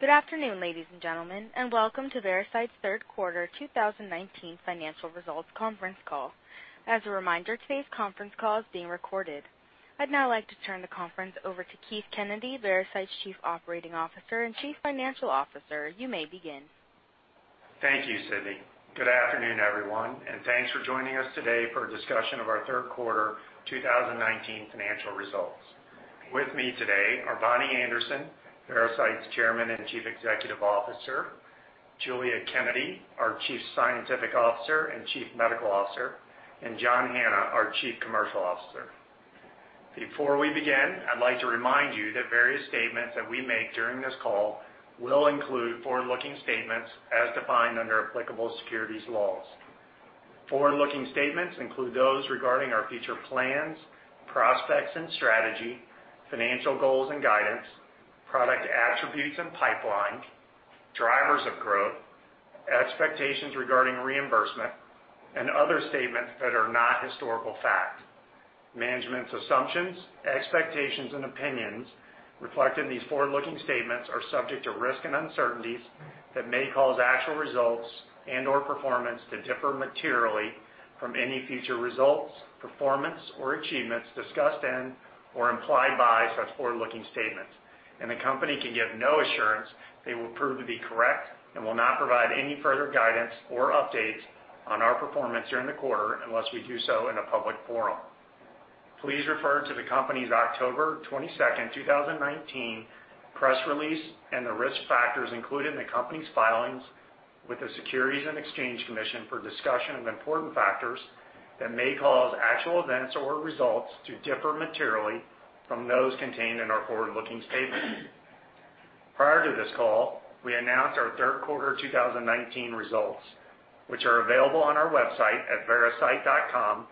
Good afternoon, ladies and gentlemen, and welcome to Veracyte's third quarter 2019 financial results conference call. As a reminder, today's conference call is being recorded. I'd now like to turn the conference over to Keith Kennedy, Veracyte's Chief Operating Officer and Chief Financial Officer. You may begin. Thank you, Sydney. Good afternoon, everyone, and thanks for joining us today for a discussion of our third quarter 2019 financial results. With me today are Bonnie Anderson, Veracyte's Chairman and Chief Executive Officer, Giulia Kennedy, our Chief Scientific Officer and Chief Medical Officer, and John Hanna, our Chief Commercial Officer. Before we begin, I'd like to remind you that various statements that we make during this call will include forward-looking statements as defined under applicable securities laws. Forward-looking statements include those regarding our future plans, prospects and strategy, financial goals and guidance, product attributes and pipeline, drivers of growth, expectations regarding reimbursement, and other statements that are not historical fact. Management's assumptions, expectations, and opinions reflected in these forward-looking statements are subject to risks and uncertainties that may cause actual results and/or performance to differ materially from any future results, performance, or achievements discussed in or implied by such forward-looking statements. The company can give no assurance they will prove to be correct and will not provide any further guidance or updates on our performance during the quarter unless we do so in a public forum. Please refer to the company's October 22nd, 2019, press release and the risk factors included in the company's filings with the Securities and Exchange Commission for a discussion of important factors that may cause actual events or results to differ materially from those contained in our forward-looking statements. Prior to this call, we announced our third quarter 2019 results, which are available on our website at veracyte.com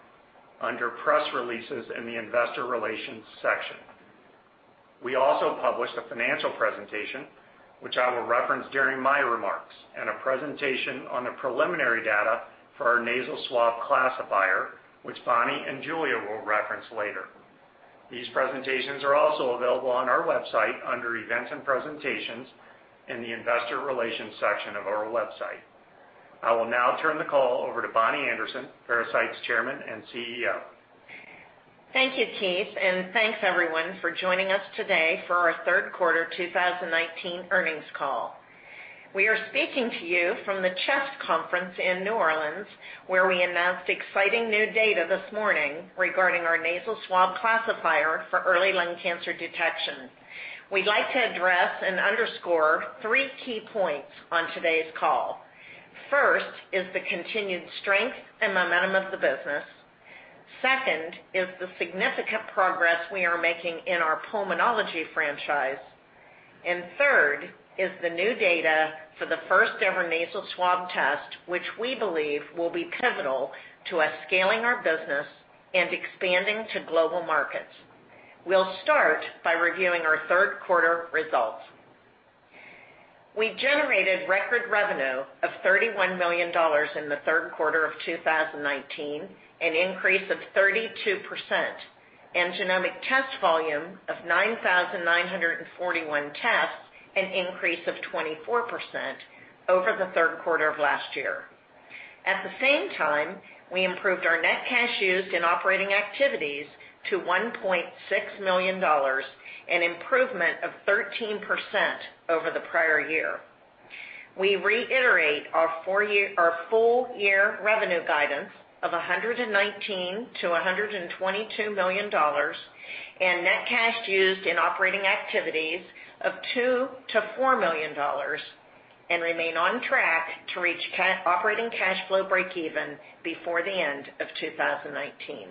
under Press Releases in the Investor Relations section. We also published a financial presentation, which I will reference during my remarks, and a presentation on the preliminary data for our nasal swab classifier, which Bonnie and Giulia will reference later. These presentations are also available on our website under Events and Presentations in the Investor Relations section of our website. I will now turn the call over to Bonnie Anderson, Veracyte's Chairman and CEO. Thank you, Keith, and thanks everyone for joining us today for our third quarter 2019 earnings call. We are speaking to you from the CHEST Conference in New Orleans, where we announced exciting new data this morning regarding our nasal swab classifier for early lung cancer detection. We'd like to address and underscore three key points on today's call. First is the continued strength and momentum of the business. Second is the significant progress we are making in our pulmonology franchise. Third is the new data for the first-ever nasal swab test, which we believe will be pivotal to us scaling our business and expanding to global markets. We'll start by reviewing our third quarter results. We generated record revenue of $31 million in the third quarter of 2019, an increase of 32%, and genomic test volume of 9,941 tests, an increase of 24% over the third quarter of last year. At the same time, we improved our net cash used in operating activities to $1.6 million, an improvement of 13% over the prior year. We reiterate our full year revenue guidance of $119 million to $122 million and net cash used in operating activities of $2 million to $4 million, and we remain on track to reach operating cash flow breakeven before the end of 2019.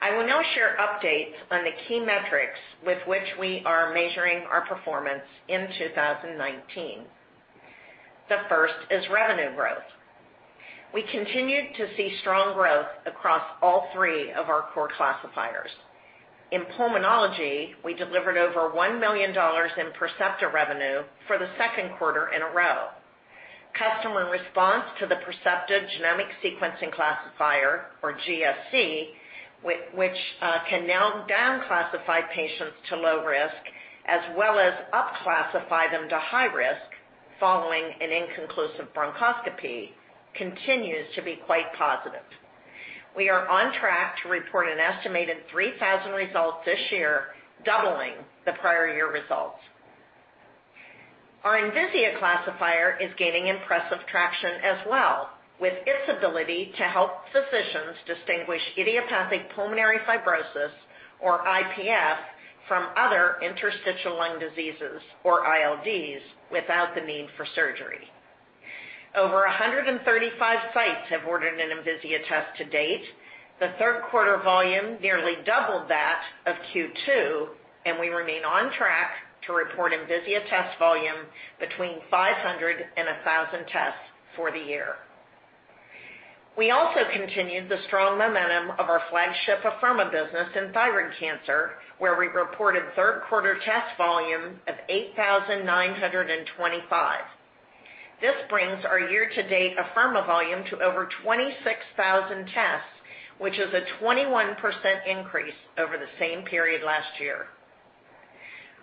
I will now share updates on the key metrics with which we are measuring our performance in 2019. The first is revenue growth. We continued to see strong growth across all three of our core classifiers. In pulmonology, we delivered over $1 million in Percepta revenue for the second quarter in a row. Customer response to the Percepta Genomic Sequencing Classifier, or GSC, which can now down-classify patients to low risk, as well as up-classify them to high risk following an inconclusive bronchoscopy, continues to be quite positive. We are on track to report an estimated 3,000 results this year, doubling the prior year results. Our Envisia classifier is gaining impressive traction as well, with its ability to help physicians distinguish idiopathic pulmonary fibrosis, or IPF, from other interstitial lung diseases, or ILDs, without the need for surgery. Over 135 sites have ordered an Envisia test to date. The third quarter volume nearly doubled that of Q2, and we remain on track to report Envisia test volume between 500 and 1,000 tests for the year. We also continued the strong momentum of our flagship Afirma business in thyroid cancer, where we reported third quarter test volume of 8,925. This brings our year-to-date Afirma volume to over 26,000 tests, which is a 21% increase over the same period last year.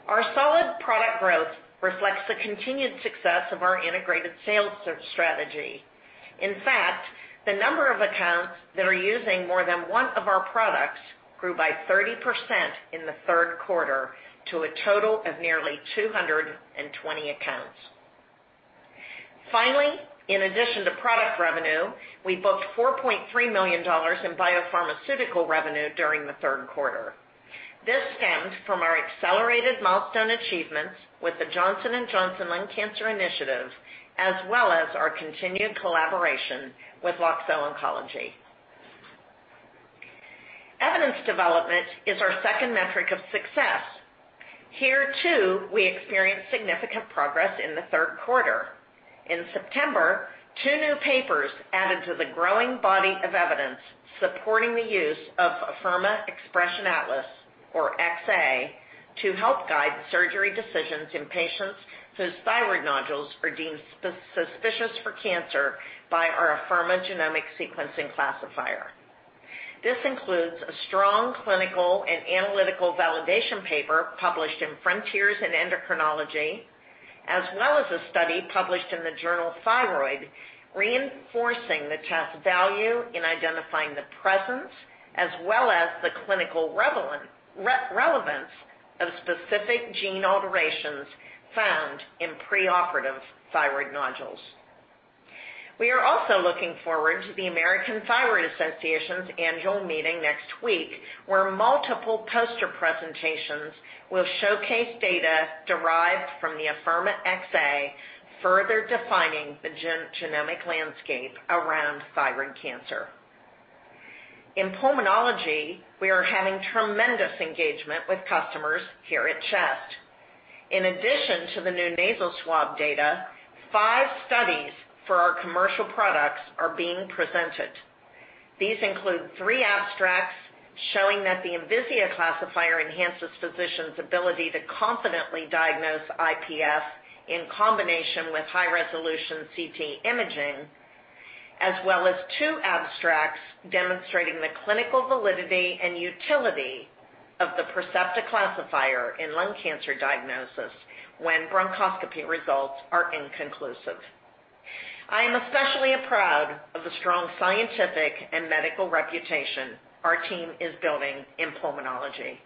Our solid product growth reflects the continued success of our integrated sales strategy. In fact, the number of accounts that are using more than one of our products grew by 30% in the third quarter to a total of nearly 220 accounts. Finally, in addition to product revenue, we booked $4.3 million in biopharmaceutical revenue during the third quarter. This stemmed from our accelerated milestone achievements with the Johnson & Johnson Lung Cancer Initiative, as well as our continued collaboration with Loxo Oncology. Evidence development is our second metric of success. Here too, we experienced significant progress in the third quarter. In September, two new papers added to the growing body of evidence supporting the use of Afirma Xpression Atlas, or XA, to help guide surgery decisions in patients whose thyroid nodules are deemed suspicious for cancer by our Afirma Genomic Sequencing Classifier. This includes a strong clinical and analytical validation paper published in Frontiers in Endocrinology, as well as a study published in the journal Thyroid, reinforcing the test value in identifying the presence as well as the clinical relevance of specific gene alterations found in preoperative thyroid nodules. We are also looking forward to the American Thyroid Association's annual meeting next week, where multiple poster presentations will showcase data derived from the Afirma XA, further defining the genomic landscape around thyroid cancer. In pulmonology, we are having tremendous engagement with customers here at CHEST. In addition to the new nasal swab data, five studies for our commercial products are being presented. These include three abstracts showing that the Envisia classifier enhances physicians' ability to confidently diagnose IPF in combination with high-resolution CT imaging, as well as two abstracts demonstrating the clinical validity and utility of the Percepta classifier in lung cancer diagnosis when bronchoscopy results are inconclusive. I am especially proud of the strong scientific and medical reputation our team is building in pulmonology.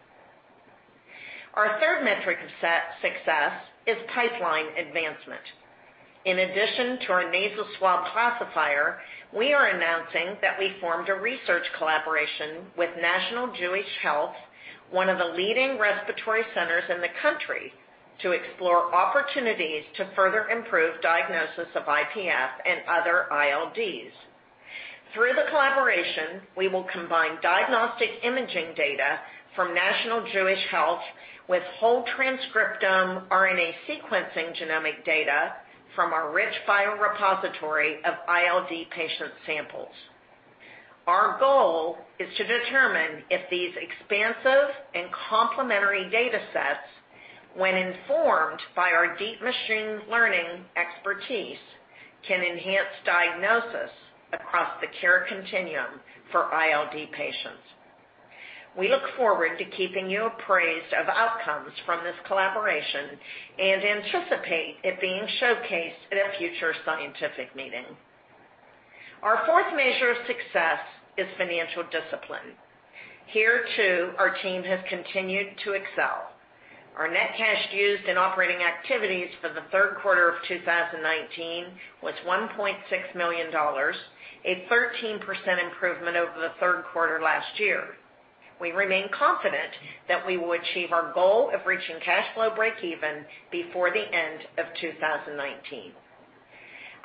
Our third metric of success is pipeline advancement. In addition to our nasal swab classifier, we are announcing that we formed a research collaboration with National Jewish Health, one of the leading respiratory centers in the country, to explore opportunities to further improve diagnosis of IPF and other ILDs. Through the collaboration, we will combine diagnostic imaging data from National Jewish Health with whole transcriptome RNA sequencing genomic data from our rich biorepository of ILD patient samples. Our goal is to determine if these expansive and complementary data sets, when informed by our deep machine learning expertise, can enhance diagnosis across the care continuum for ILD patients. We look forward to keeping you appraised of outcomes from this collaboration and anticipate it being showcased at a future scientific meeting. Our fourth measure of success is financial discipline. Here too, our team has continued to excel. Our net cash used in operating activities for the third quarter of 2019 was $1.6 million, a 13% improvement over the third quarter last year. We remain confident that we will achieve our goal of reaching cash flow breakeven before the end of 2019.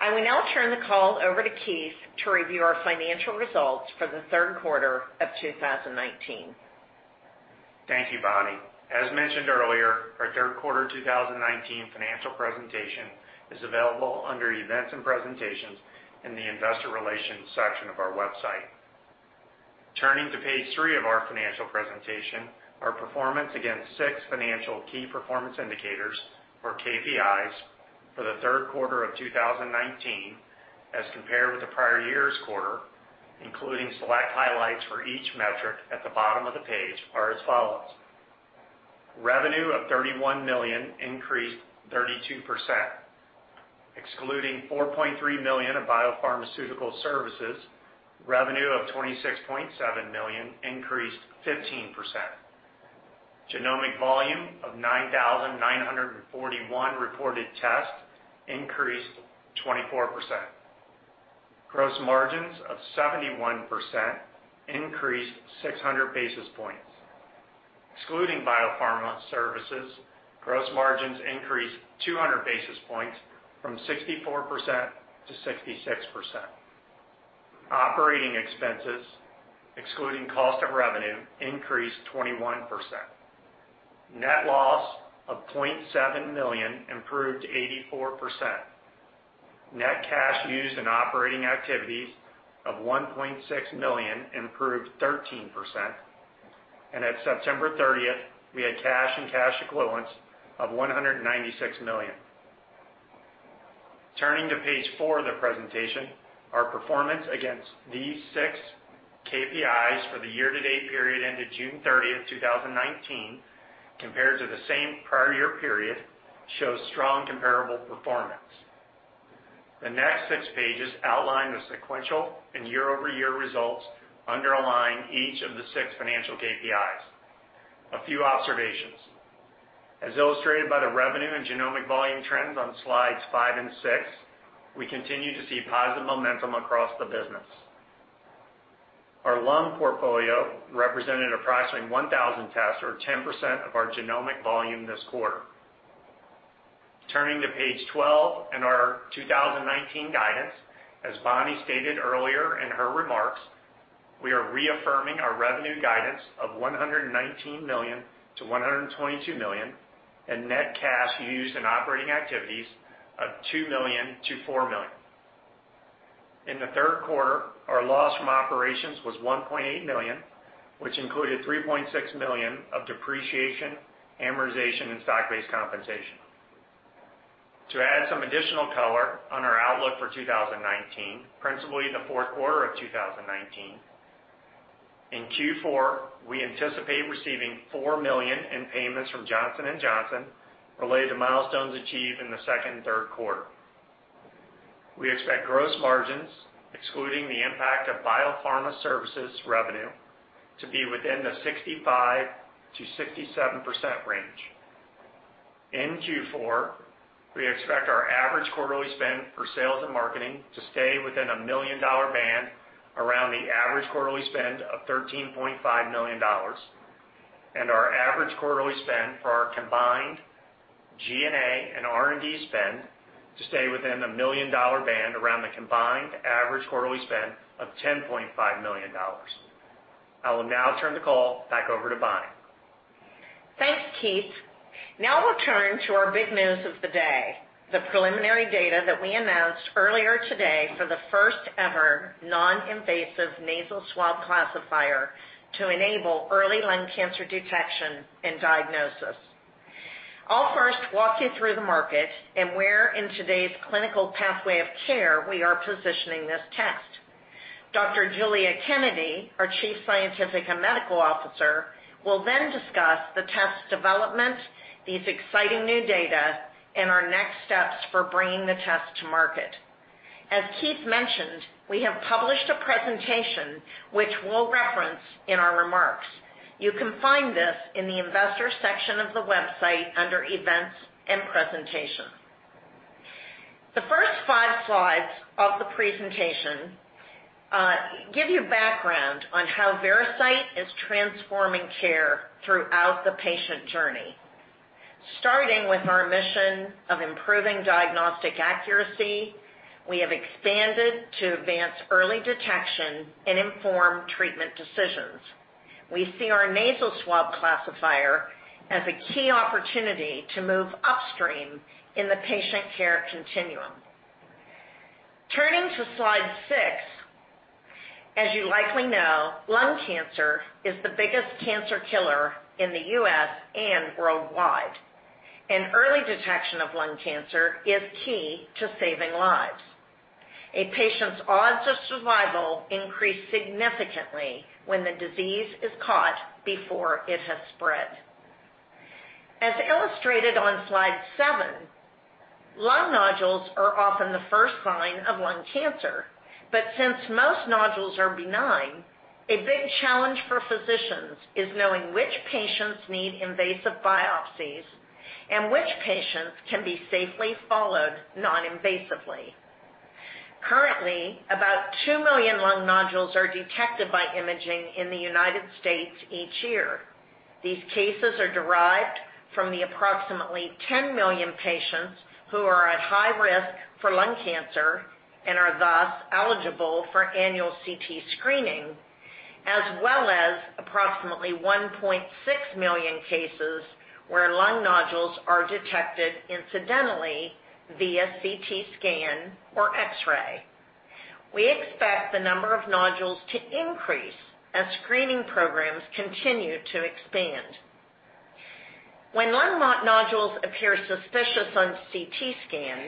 I will now turn the call over to Keith to review our financial results for the third quarter of 2019. Thank you, Bonnie. As mentioned earlier, our third quarter 2019 financial presentation is available under Events and Presentations in the Investor Relations section of our website. Turning to page three of our financial presentation, our performance against six financial key performance indicators, or KPIs, for the third quarter of 2019 as compared with the prior year's quarter, including select highlights for each metric at the bottom of the page, are as follows. Revenue of $31 million increased 32%. Excluding $4.3 million in biopharmaceutical services, revenue of $26.7 million increased 15%. Genomic volume of 9,941 reported tests increased 24%. Gross margins of 71% increased 600 basis points. Excluding biopharma services, gross margins increased 200 basis points from 64% to 66%. Operating expenses, excluding cost of revenue, increased 21%. Net loss of $0.7 million improved 84%. Net cash used in operating activities of $1.6 million improved 13%. At September 30th, we had cash and cash equivalents of $196 million. Turning to page four of the presentation, our performance against these six KPIs for the year-to-date period ended June 30th, 2019, compared to the same prior year period, shows strong comparable performance. The next six pages outline the sequential and year-over-year results underlying each of the six financial KPIs. A few observations. As illustrated by the revenue and genomic volume trends on slides five and six, we continue to see positive momentum across the business. Our lung portfolio represented approximately 1,000 tests, or 10% of our genomic volume this quarter. Turning to page 12 and our 2019 guidance, as Bonnie stated earlier in her remarks, we are reaffirming our revenue guidance of $119 million-$122 million, and net cash used in operating activities of $2 million-$4 million. In the third quarter, our loss from operations was $1.8 million, which included $3.6 million of depreciation, amortization, and stock-based compensation. To add some additional color on our outlook for 2019, principally in the fourth quarter of 2019, in Q4, we anticipate receiving $4 million in payments from Johnson & Johnson related to milestones achieved in the second and third quarter. We expect gross margins, excluding the impact of biopharma services revenue, to be within the 65%-67% range. In Q4, we expect our average quarterly spend for sales and marketing to stay within a million-dollar band around the average quarterly spend of $13.5 million and our average quarterly spend for our combined G&A and R&D spend to stay within a million-dollar band around the combined average quarterly spend of $10.5 million. I will now turn the call back over to Bonnie. Thanks, Keith. We'll turn to our big news of the day, the preliminary data that we announced earlier today for the first-ever non-invasive nasal swab classifier to enable early lung cancer detection and diagnosis. I'll first walk you through the market and where in today's clinical pathway of care we are positioning this test. Dr. Giulia Kennedy, our Chief Scientific and Medical Officer, will then discuss the test's development, these exciting new data, and our next steps for bringing the test to market. As Keith mentioned, we have published a presentation which we'll reference in our remarks. You can find this in the Investors section of the website under Events and Presentation. The first five slides of the presentation give you background on how Veracyte is transforming care throughout the patient journey. Starting with our mission of improving diagnostic accuracy, we have expanded to advance early detection and inform treatment decisions. We see our Percepta Nasal Swab as a key opportunity to move upstream in the patient care continuum. Turning to slide six, as you likely know, lung cancer is the biggest cancer killer in the U.S. and worldwide. Early detection of lung cancer is key to saving lives. A patient's odds of survival increase significantly when the disease is caught before it has spread. As illustrated on slide seven, lung nodules are often the first sign of lung cancer, but since most nodules are benign, a big challenge for physicians is knowing which patients need invasive biopsies and which patients can be safely followed non-invasively. Currently, about 2 million lung nodules are detected by imaging in the United States each year. These cases are derived from the approximately 10 million patients who are at high risk for lung cancer and are thus eligible for annual CT screening, as well as approximately 1.6 million cases where lung nodules are detected incidentally via CT scan or X-ray. We expect the number of nodules to increase as screening programs continue to expand. When lung nodules appear suspicious on CT scan,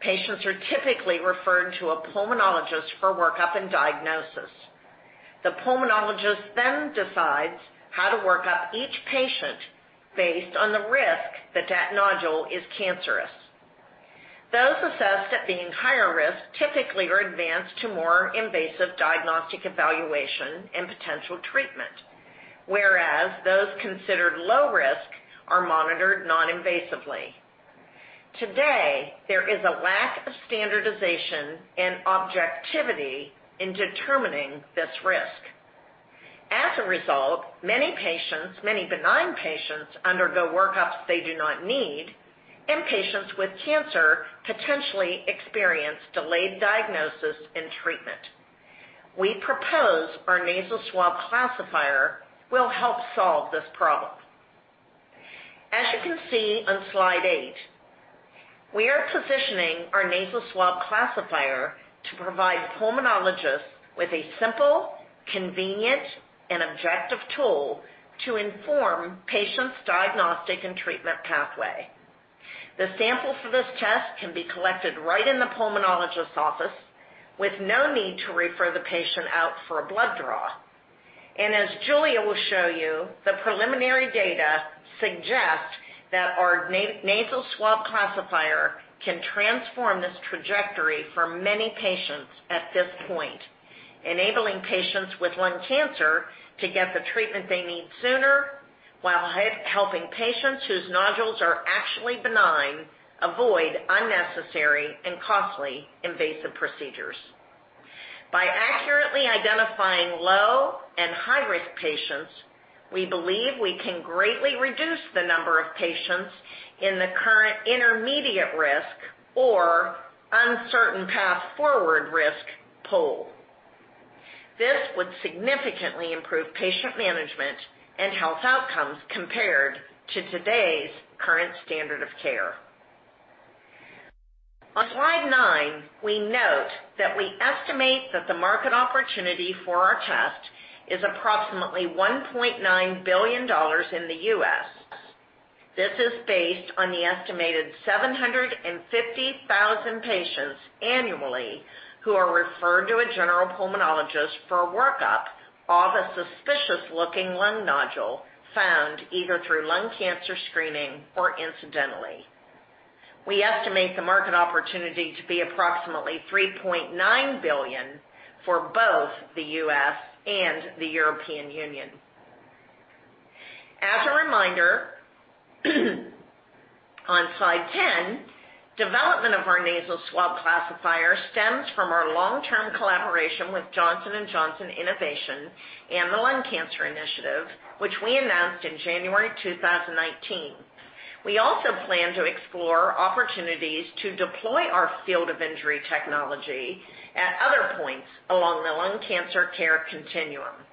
patients are typically referred to a pulmonologist for workup and diagnosis. The pulmonologist decides how to work up each patient based on the risk that nodule is cancerous. Those assessed at being higher risk typically are advanced to more invasive diagnostic evaluation and potential treatment, whereas those considered low risk are monitored non-invasively. Today, there is a lack of standardization and objectivity in determining this risk. As a result, many benign patients undergo workups they do not need, and patients with cancer potentially experience delayed diagnosis and treatment. We propose our nasal swab classifier will help solve this problem. As you can see on slide eight, we are positioning our nasal swab classifier to provide pulmonologists with a simple, convenient, and objective tool to inform patients' diagnostic and treatment pathway. The sample for this test can be collected right in the pulmonologist's office with no need to refer the patient out for a blood draw. As Giulia will show you, the preliminary data suggest that our nasal swab classifier can transform this trajectory for many patients at this point, enabling patients with lung cancer to get the treatment they need sooner while helping patients whose nodules are actually benign avoid unnecessary and costly invasive procedures. By accurately identifying low and high-risk patients, we believe we can greatly reduce the number of patients in the current intermediate risk or uncertain path forward risk pool. This would significantly improve patient management and health outcomes compared to today's current standard of care. On slide nine, we note that we estimate that the market opportunity for our test is approximately $1.9 billion in the U.S. This is based on the estimated 750,000 patients annually who are referred to a general pulmonologist for a workup of a suspicious-looking lung nodule found either through lung cancer screening or incidentally. We estimate the market opportunity to be approximately $3.9 billion for both the U.S. and the European Union. As a reminder, on slide 10, development of our nasal swab classifier stems from our long-term collaboration with Johnson & Johnson Innovation and the Lung Cancer Initiative, which we announced in January 2019. We also plan to explore opportunities to deploy our field of injury technology at other points along the lung cancer care continuum.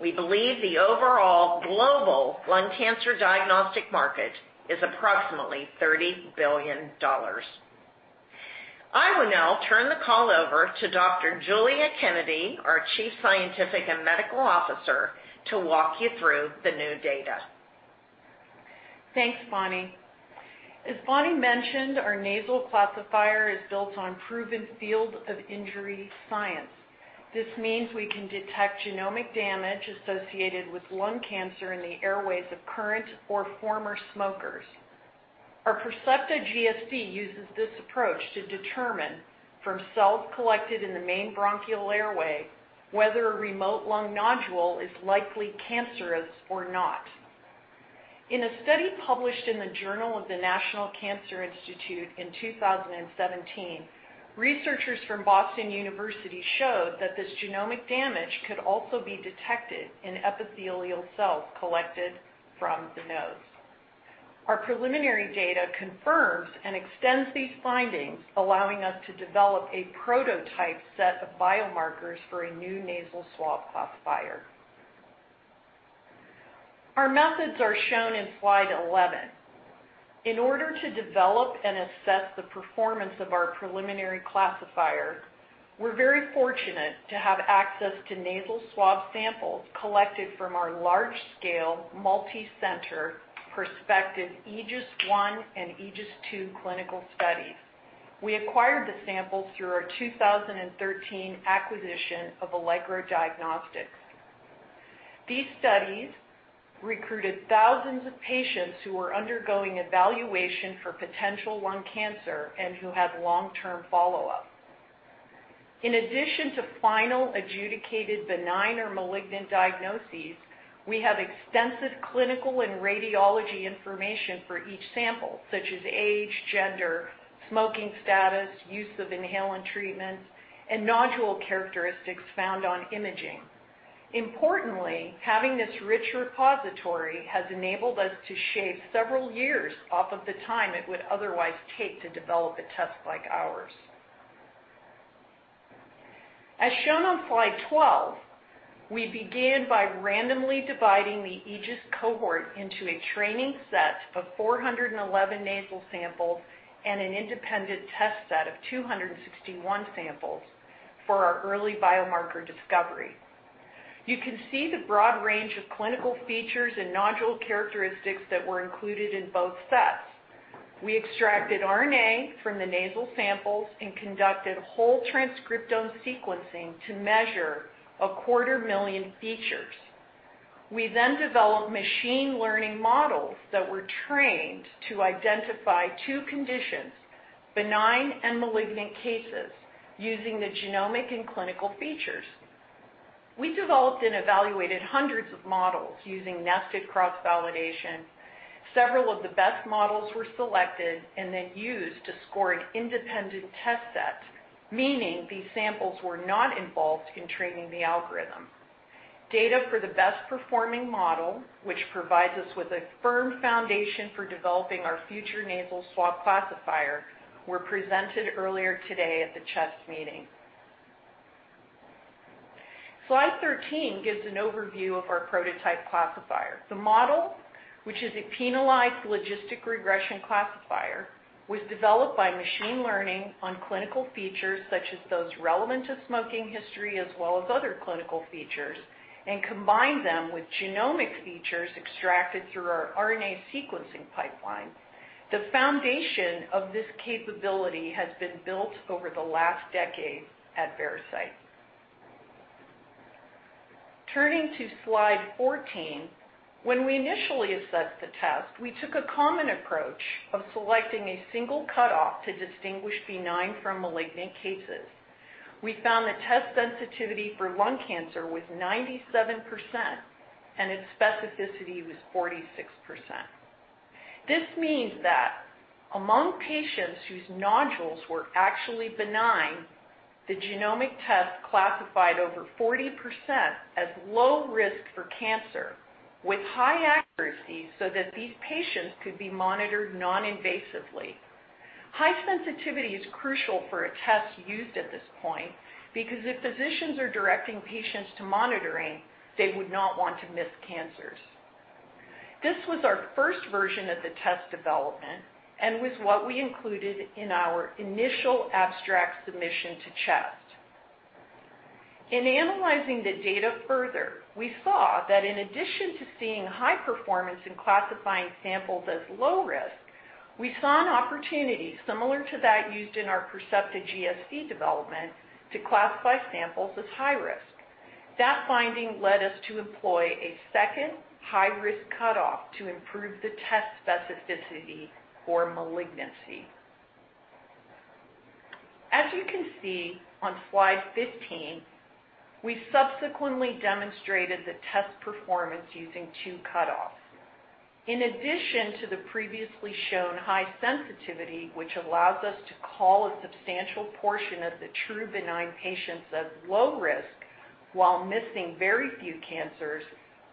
We believe the overall global lung cancer diagnostic market is approximately $30 billion. I will now turn the call over to Dr. Giulia Kennedy, our Chief Scientific and Medical Officer, to walk you through the new data. Thanks, Bonnie. As Bonnie mentioned, our nasal classifier is built on proven field of injury science. This means we can detect genomic damage associated with lung cancer in the airways of current or former smokers. Our Percepta GSC uses this approach to determine from cells collected in the main bronchial airway whether a remote lung nodule is likely cancerous or not. In a study published in the Journal of the National Cancer Institute in 2017, researchers from Boston University showed that this genomic damage could also be detected in epithelial cells collected from the nose. Our preliminary data confirms and extends these findings, allowing us to develop a prototype set of biomarkers for a new nasal swab classifier. Our methods are shown in slide 11. In order to develop and assess the performance of our preliminary classifier, we're very fortunate to have access to nasal swab samples collected from our large-scale, multicenter prospective AEGIS-I and AEGIS-II clinical studies. We acquired the samples through our 2013 acquisition of Allegro Diagnostics. These studies recruited thousands of patients who were undergoing evaluation for potential lung cancer and who had long-term follow-up. In addition to final adjudicated benign or malignant diagnoses, we have extensive clinical and radiology information for each sample, such as age, gender, smoking status, use of inhaler treatments, and nodule characteristics found on imaging. Importantly, having this rich repository has enabled us to shave several years off of the time it would otherwise take to develop a test like ours. As shown on slide 12, we began by randomly dividing the AEGIS cohort into a training set of 411 nasal samples and an independent test set of 261 samples for our early biomarker discovery. You can see the broad range of clinical features and nodule characteristics that were included in both sets. We extracted RNA from the nasal samples and conducted whole transcriptome sequencing to measure a quarter million features. We developed machine learning models that were trained to identify two conditions, benign and malignant cases, using the genomic and clinical features. We developed and evaluated hundreds of models using nested cross-validation. Several of the best models were selected and used to score an independent test set, meaning these samples were not involved in training the algorithm. Data for the best-performing model, which provides us with a firm foundation for developing our future nasal swab classifier, were presented earlier today at the CHEST meeting. Slide 13 gives an overview of our prototype classifier. The model, which is a penalized logistic regression classifier, was developed by machine learning on clinical features such as those relevant to smoking history, as well as other clinical features, and combined them with genomic features extracted through our RNA sequencing pipeline. The foundation of this capability has been built over the last decade at Veracyte. Turning to slide 14, when we initially assessed the test, we took a common approach of selecting a single cutoff to distinguish benign from malignant cases. We found that test sensitivity for lung cancer was 97%, and its specificity was 46%. This means that among patients whose nodules were actually benign, the genomic test classified over 40% as low risk for cancer with high accuracy so that these patients could be monitored non-invasively. High sensitivity is crucial for a test used at this point, because if physicians are directing patients to monitoring, they would not want to miss cancers. This was our first version of the test development and was what we included in our initial abstract submission to CHEST. In analyzing the data further, we saw that in addition to seeing high performance in classifying samples as low risk, we saw an opportunity similar to that used in our Percepta GSC development to classify samples as high risk. That finding led us to employ a second high-risk cutoff to improve the test specificity for malignancy. As you can see on slide 15, we subsequently demonstrated the test performance using two cutoffs. In addition to the previously shown high sensitivity, which allows us to call a substantial portion of the true benign patients as low risk while missing very few cancers,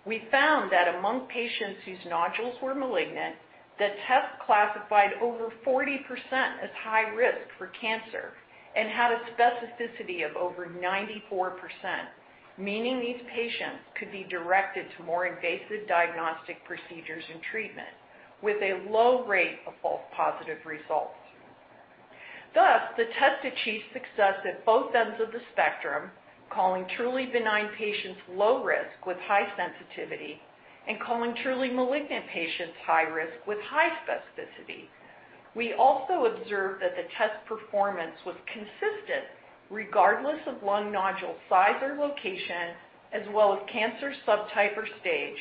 we found that among patients whose nodules were malignant, the test classified over 40% as high risk for cancer and had a specificity of over 94%, meaning these patients could be directed to more invasive diagnostic procedures and treatment with a low rate of false positive results. Thus, the test achieved success at both ends of the spectrum, calling truly benign patients low risk with high sensitivity and calling truly malignant patients high risk with high specificity. We also observed that the test performance was consistent regardless of lung nodule size or location, as well as cancer subtype or stage,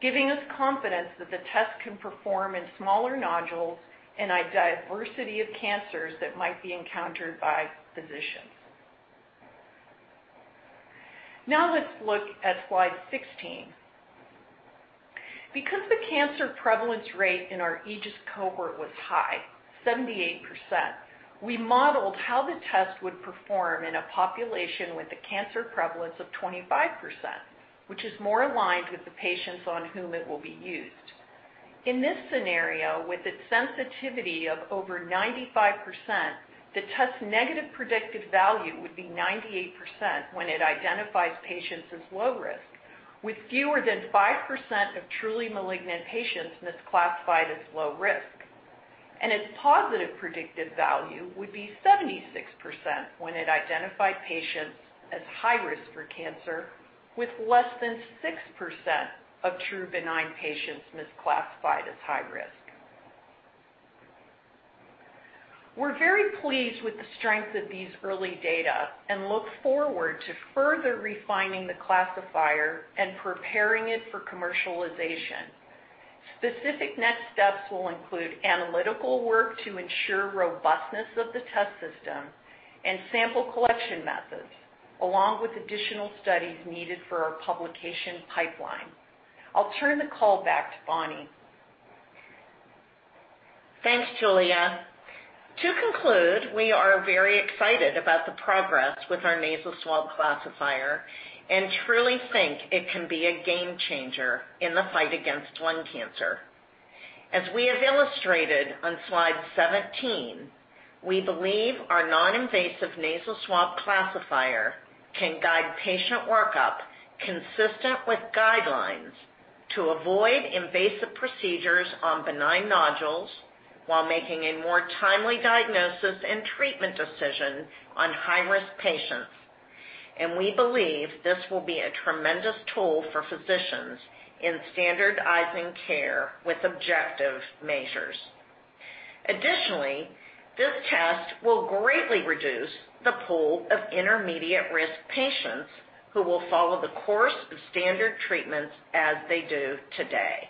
giving us confidence that the test can perform in smaller nodules and a diversity of cancers that might be encountered by physicians. Now let's look at slide 16. Because the cancer prevalence rate in our AEGIS cohort was high, 78%, we modeled how the test would perform in a population with a cancer prevalence of 25%, which is more aligned with the patients on whom it will be used. In this scenario, with its sensitivity of over 95%, the test negative predictive value would be 98% when it identifies patients as low risk, with fewer than 5% of truly malignant patients misclassified as low risk. Its positive predictive value would be 76% when it identified patients as high risk for cancer, with less than 6% of true benign patients misclassified as high risk. We're very pleased with the strength of these early data and look forward to further refining the classifier and preparing it for commercialization. Specific next steps will include analytical work to ensure robustness of the test system and sample collection methods, along with additional studies needed for our publication pipeline. I'll turn the call back to Bonnie. Thanks, Giulia. To conclude, we are very excited about the progress with our nasal swab classifier and truly think it can be a game changer in the fight against lung cancer. As we have illustrated on slide 17, we believe our non-invasive nasal swab classifier can guide patient workup consistent with guidelines to avoid invasive procedures on benign nodules while making a more timely diagnosis and treatment decision on high-risk patients. We believe this will be a tremendous tool for physicians in standardizing care with objective measures. Additionally, this test will greatly reduce the pool of intermediate-risk patients who will follow the course of standard treatments as they do today.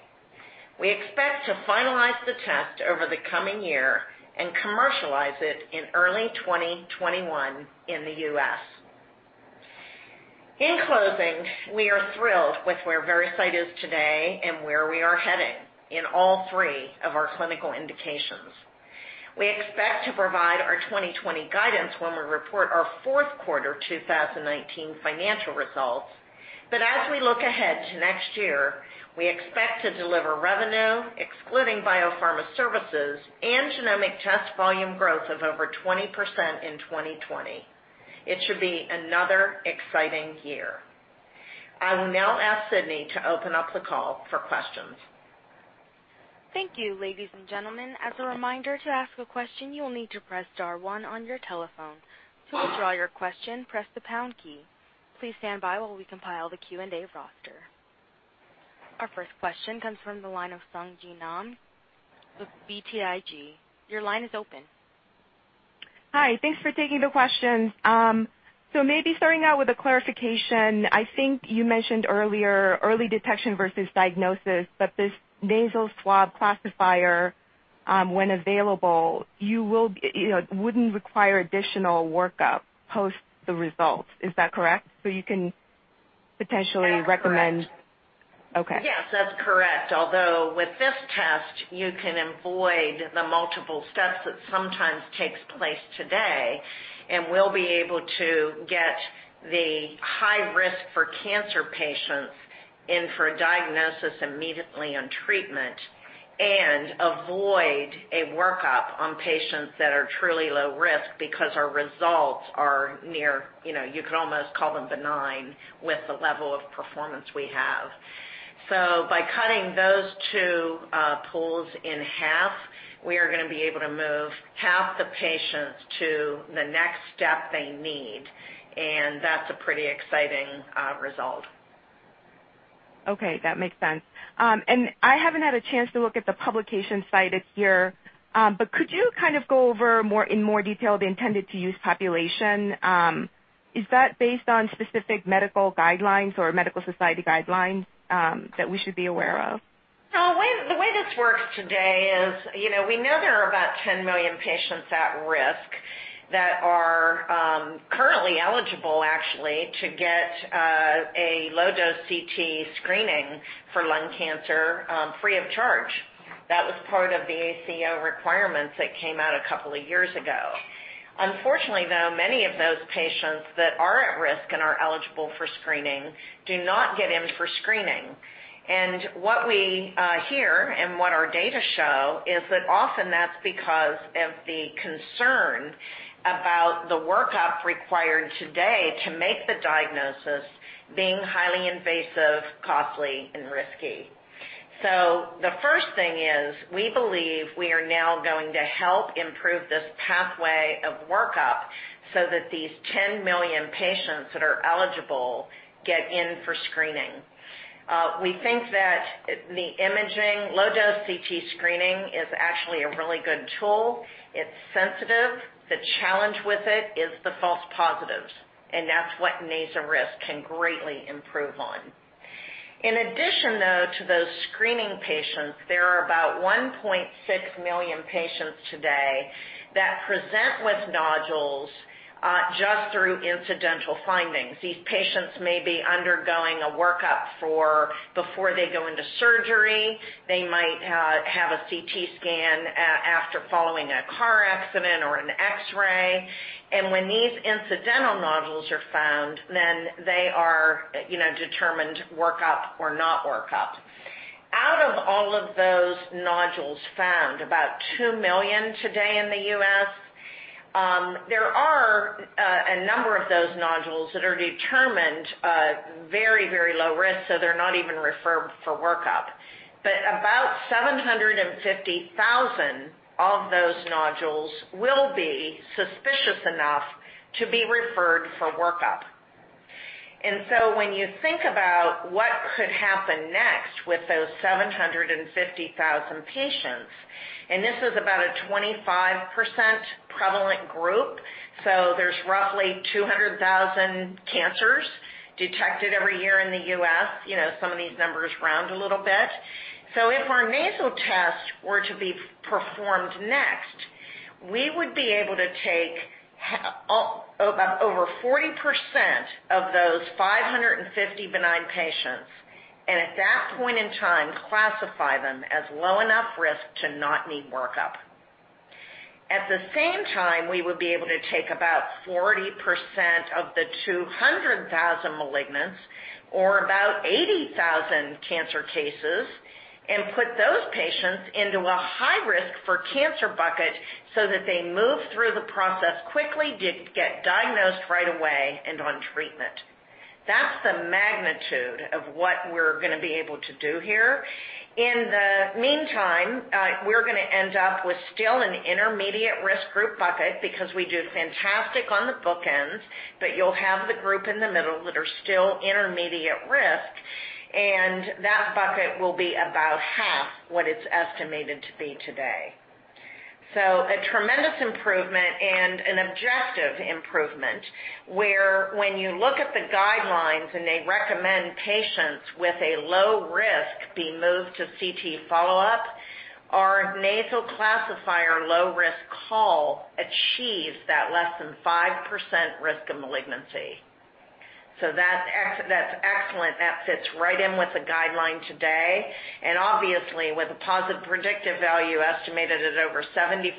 We expect to finalize the test over the coming year and commercialize it in early 2021 in the U.S. In closing, we are thrilled with where Veracyte is today and where we are heading in all three of our clinical indications. We expect to provide our 2020 guidance when we report our fourth quarter 2019 financial results. As we look ahead to next year, we expect to deliver revenue excluding biopharma services and genomic test volume growth of over 20% in 2020. It should be another exciting year. I will now ask Sydney to open up the call for questions. Thank you, ladies and gentlemen. As a reminder, to ask a question, you will need to press star 1 on your telephone. To withdraw your question, press the pound key. Please stand by while we compile the Q&A roster. Our first question comes from the line of Sung Ji Nam with BTIG. Your line is open. Hi. Thanks for taking the questions. Maybe starting out with a clarification. I think you mentioned earlier, early detection versus diagnosis, but this Percepta Nasal Swab, when available, wouldn't require additional workup post the results. Is that correct? You can potentially recommend- That's correct. Okay. Yes, that's correct. With this test, you can avoid the multiple steps that sometimes takes place today, and we'll be able to get the high risk for cancer patients in for a diagnosis immediately on treatment and avoid a workup on patients that are truly low risk because our results are near, you could almost call them benign with the level of performance we have. By cutting those two pools in half, we are going to be able to move half the patients to the next step they need, and that's a pretty exciting result. Okay, that makes sense. I haven't had a chance to look at the publication cited here, but could you go over in more detail the intended use population? Is that based on specific medical guidelines or medical society guidelines that we should be aware of? The way this works today is, we know there are about 10 million patients at risk that are currently eligible, actually, to get a low-dose CT screening for lung cancer free of charge. That was part of the ACO requirements that came out a couple of years ago. Unfortunately, though, many of those patients that are at risk and are eligible for screening do not get in for screening. What we hear and what our data show is that often that's because of the concern about the workup required today to make the diagnosis being highly invasive, costly and risky. The first thing is, we believe we are now going to help improve this pathway of workup so that these 10 million patients that are eligible get in for screening. We think that the imaging, low-dose CT screening is actually a really good tool. It's sensitive. The challenge with it is the false positives, and that's what nasal risk can greatly improve on. In addition, though, to those screening patients, there are about 1.6 million patients today that present with nodules just through incidental findings. These patients may be undergoing a workup before they go into surgery. They might have a CT scan after following a car accident or an X-ray. When these incidental nodules are found, they are determined workup or not workup. Out of all of those nodules found, about 2 million today in the U.S., there are a number of those nodules that are determined very low risk, so they're not even referred for workup. About 750,000 of those nodules will be suspicious enough to be referred for workup. When you think about what could happen next with those 750,000 patients, and this is about a 25% prevalent group, so there's roughly 200,000 cancers detected every year in the U.S. Some of these numbers round a little bit. If our nasal test were to be performed next, we would be able to take over 40% of those 550 benign patients, and at that point in time, classify them as low enough risk to not need workup. At the same time, we would be able to take about 40% of the 200,000 malignants, or about 80,000 cancer cases, and put those patients into a high risk for cancer bucket so that they move through the process quickly to get diagnosed right away and on treatment. That's the magnitude of what we're going to be able to do here. In the meantime, we're going to end up with still an intermediate risk group bucket because we do fantastic on the bookends, but you'll have the group in the middle that are still intermediate risk, and that bucket will be about half what it's estimated to be today. A tremendous improvement and an objective improvement, where when you look at the guidelines and they recommend patients with a low risk be moved to CT follow-up, our nasal classifier low risk call achieves that less than 5% risk of malignancy. That's excellent. That fits right in with the guideline today. Obviously, with a positive predictive value estimated at over 75%,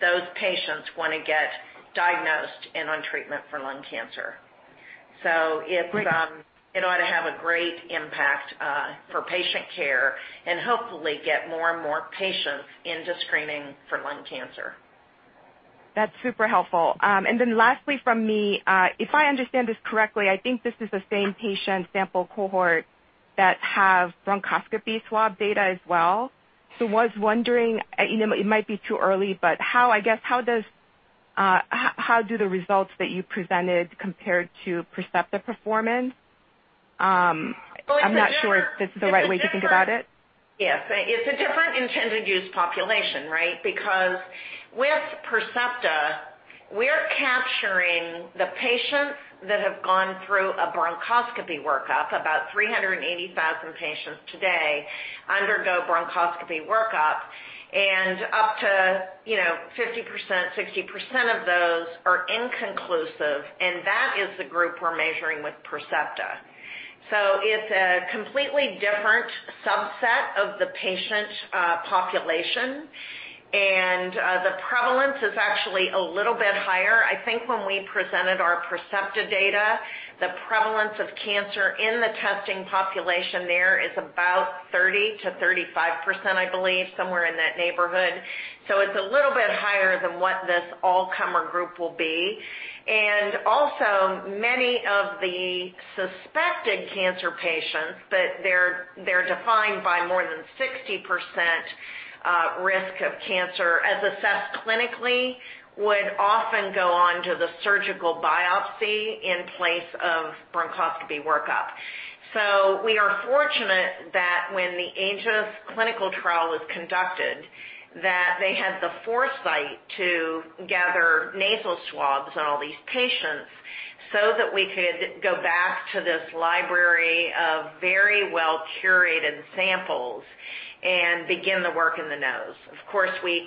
those patients want to get diagnosed and on treatment for lung cancer. Great it ought to have a great impact for patient care, and hopefully get more and more patients into screening for lung cancer. That's super helpful. Lastly from me, if I understand this correctly, I think this is the same patient sample cohort that have bronchoscopy swab data as well. Was wondering, it might be too early, but how do the results that you presented compare to Percepta performance? I'm not sure if this is the right way to think about it. Yes. It's a different intended use population, right? With Percepta, we're capturing the patients that have gone through a bronchoscopy workup. About 380,000 patients today undergo bronchoscopy workup, and up to 50%-60% of those are inconclusive, and that is the group we're measuring with Percepta. It's a completely different subset of the patient population, and the prevalence is actually a little bit higher. I think when we presented our Percepta data, the prevalence of cancer in the testing population there is about 30%-35%, I believe, somewhere in that neighborhood. It's a little bit higher than what this all-comer group will be. Also, many of the suspected cancer patients, they're defined by more than 60% risk of cancer as assessed clinically, would often go on to the surgical biopsy in place of bronchoscopy workup. We are fortunate that when the AEGIS clinical trial was conducted, that they had the foresight to gather nasal swabs on all these patients so that we could go back to this library of very well-curated samples and begin the work in the nose. Of course, we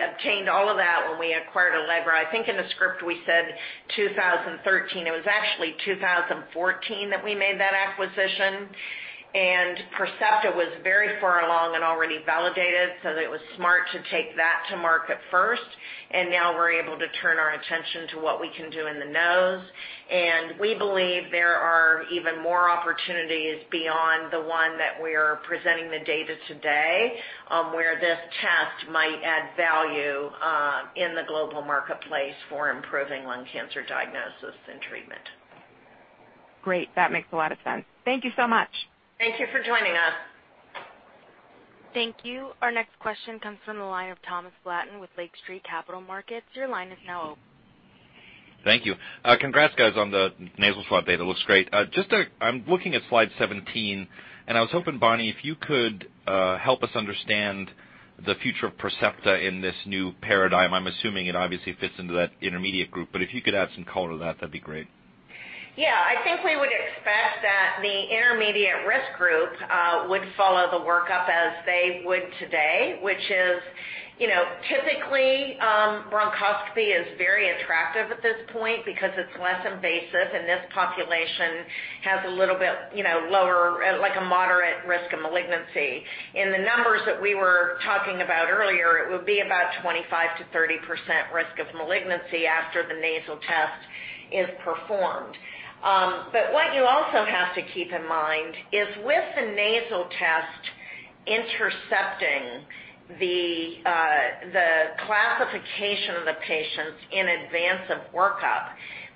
obtained all of that when we acquired Allegro Diagnostics. I think in the script we said 2013. It was actually 2014 that we made that acquisition. Percepta was very far along and already validated, so it was smart to take that to market first. Now we're able to turn our attention to what we can do in the nose. We believe there are even more opportunities beyond the one that we are presenting the data today, where this test might add value in the global marketplace for improving lung cancer diagnosis and treatment. Great. That makes a lot of sense. Thank you so much. Thank you for joining us. Thank you. Our next question comes from the line of Thomas Flaten with Lake Street Capital Markets. Your line is now open. Thank you. Congrats, guys, on the nasal swab data. Looks great. I'm looking at slide 17, and I was hoping, Bonnie, if you could help us understand the future of Percepta in this new paradigm. I'm assuming it obviously fits into that intermediate group, but if you could add some color to that'd be great. Yeah. I think we would expect that the intermediate risk group would follow the workup as they would today, which is typically, bronchoscopy is very attractive at this point because it's less invasive, and this population has a little bit lower, like a moderate risk of malignancy. In the numbers that we were talking about earlier, it would be about 25%-30% risk of malignancy after the nasal test is performed. What you also have to keep in mind is with the nasal test intercepting the classification of the patients in advance of workup,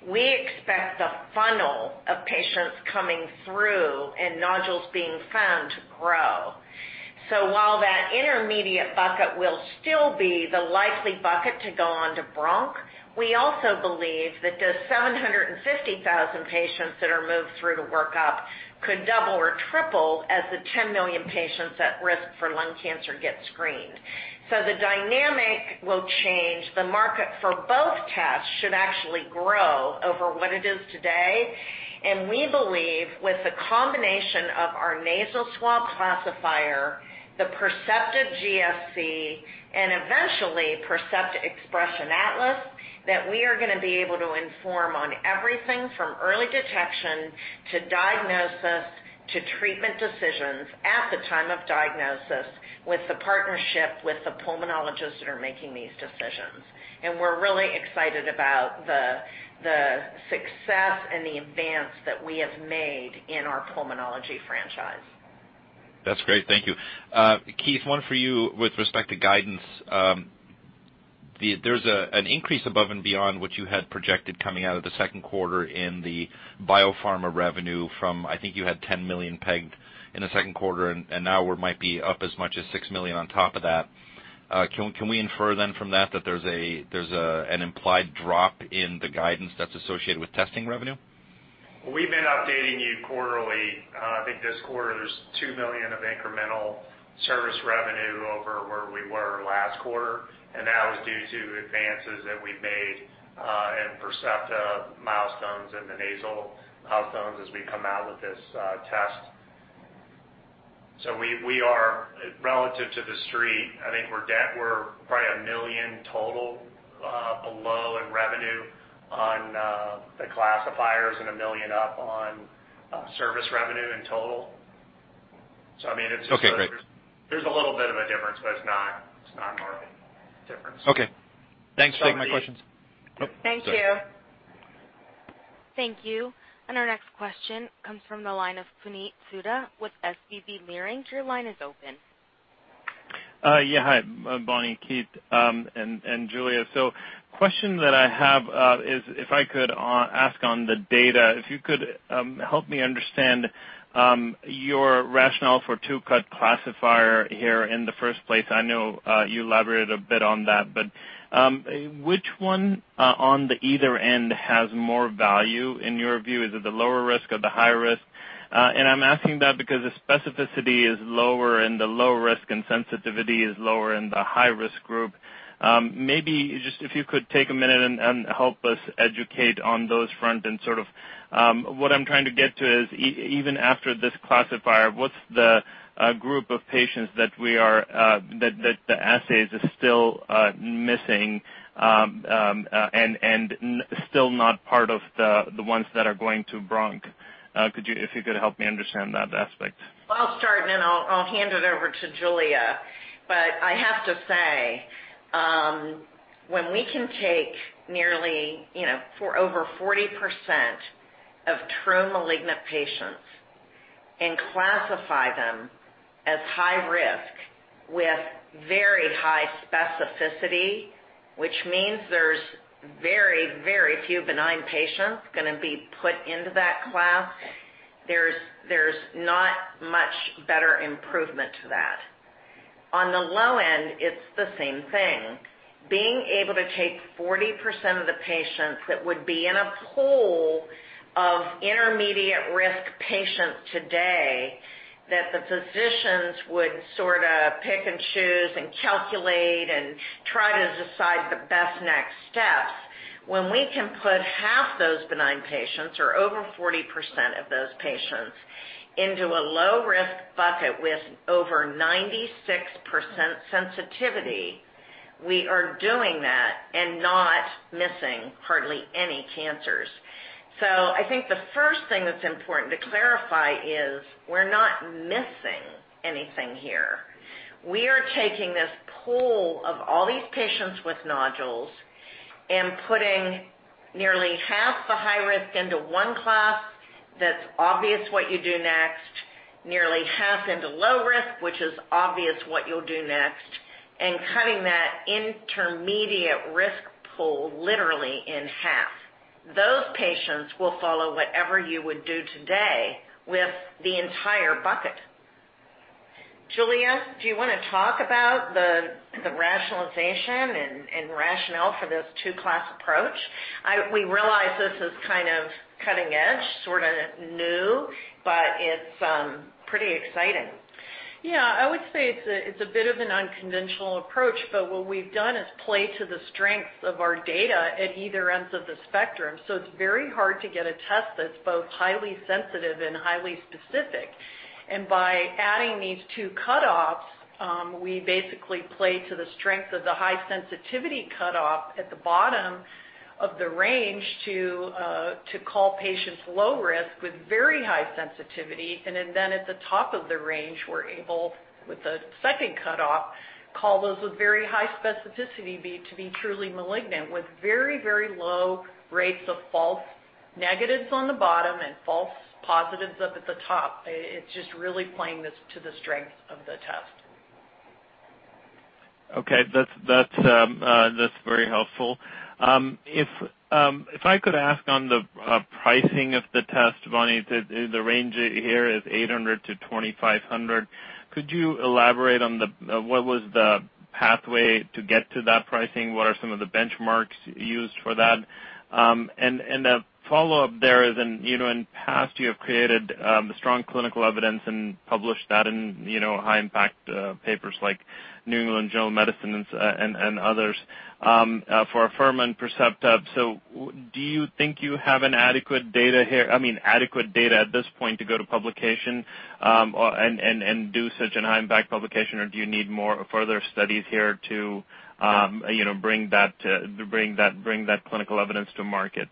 we expect the funnel of patients coming through and nodules being found to grow. While that intermediate bucket will still be the likely bucket to go on to bronch, we also believe that the 750,000 patients that are moved through to workup could double or triple as the 10 million patients at risk for lung cancer get screened. The dynamic will change. The market for both tests should actually grow over what it is today. We believe with the combination of our Percepta Nasal Swab, the Percepta GSC, and eventually Percepta Xpression Atlas, that we are going to be able to inform on everything from early detection to diagnosis to treatment decisions at the time of diagnosis with the partnership with the pulmonologists that are making these decisions. We're really excited about the success and the advance that we have made in our pulmonology franchise. That's great. Thank you. Keith, one for you with respect to guidance. There's an increase above and beyond what you had projected coming out of the second quarter in the biopharma revenue from, I think you had $10 million pegged in the second quarter, and now we might be up as much as $six million on top of that. Can we infer then from that there's an implied drop in the guidance that's associated with testing revenue? We've been updating you quarterly. I think this quarter there's $2 million of incremental service revenue over where we were last quarter. That was due to advances that we made in Percepta milestones and the nasal milestones as we come out with this test. We are, relative to the street, I think we're probably $1 million total below in revenue on the classifiers and $1 million up on service revenue in total. I mean. Okay, great. there's a little bit of a difference, but it's not. Okay. Thanks. Taking my questions. Thank you. Thank you. Our next question comes from the line of Puneet Souda with SVB Leerink. Your line is open. Yeah, hi. Bonnie, Keith, and Giulia. Question that I have is if I could ask on the data, if you could help me understand your rationale for two-cut classifier here in the first place. I know you elaborated a bit on that, which one on the either end has more value in your view? Is it the lower risk or the high risk? I'm asking that because the specificity is lower in the low risk, and sensitivity is lower in the high-risk group. Maybe just if you could take a minute and help us educate on those front and sort of, what I'm trying to get to is even after this classifier, what's the group of patients that the assays are still missing, and still not part of the ones that are going to Bronc. If you could help me understand that aspect. I'll start and then I'll hand it over to Giulia. I have to say, when we can take nearly over 40% of true malignant patients and classify them as high risk with very high specificity, which means there's very, very few benign patients going to be put into that class, there's not much better improvement to that. On the low end, it's the same thing. Being able to take 40% of the patients that would be in a pool of intermediate risk patients today, that the physicians would sort of pick and choose and calculate and try to decide the best next steps. When we can put half those benign patients, or over 40% of those patients, into a low-risk bucket with over 96% sensitivity, we are doing that and not missing hardly any cancers. I think the first thing that's important to clarify is we're not missing anything here. We are taking this pool of all these patients with nodules and putting nearly half the high risk into one class, that's obvious what you do next, nearly half into low risk, which is obvious what you'll do next, and cutting that intermediate risk pool literally in half. Those patients will follow whatever you would do today with the entire bucket. Giulia, do you want to talk about the rationalization and rationale for this two-class approach? We realize this is kind of cutting edge, sort of new, but it's pretty exciting. Yeah, I would say it's a bit of an unconventional approach, but what we've done is play to the strengths of our data at either ends of the spectrum. It's very hard to get a test that's both highly sensitive and highly specific. By adding these two cutoffs, we basically play to the strength of the high sensitivity cutoff at the bottom of the range to call patients low risk with very high sensitivity. Then at the top of the range, we're able, with the second cutoff, call those with very high specificity to be truly malignant with very, very low rates of false negatives on the bottom and false positives up at the top. It's just really playing to the strength of the test. Okay. That's very helpful. If I could ask on the pricing of the test, Bonnie, the range here is $800-$2,500. Could you elaborate on what was the pathway to get to that pricing? What are some of the benchmarks used for that? The follow-up there is, in the past you have created strong clinical evidence and published that in high impact papers like The New England Journal of Medicine and others for Afirma and Percepta. Do you think you have an adequate data here, I mean adequate data at this point to go to publication, and do such a high impact publication or do you need more further studies here to bring that clinical evidence to market?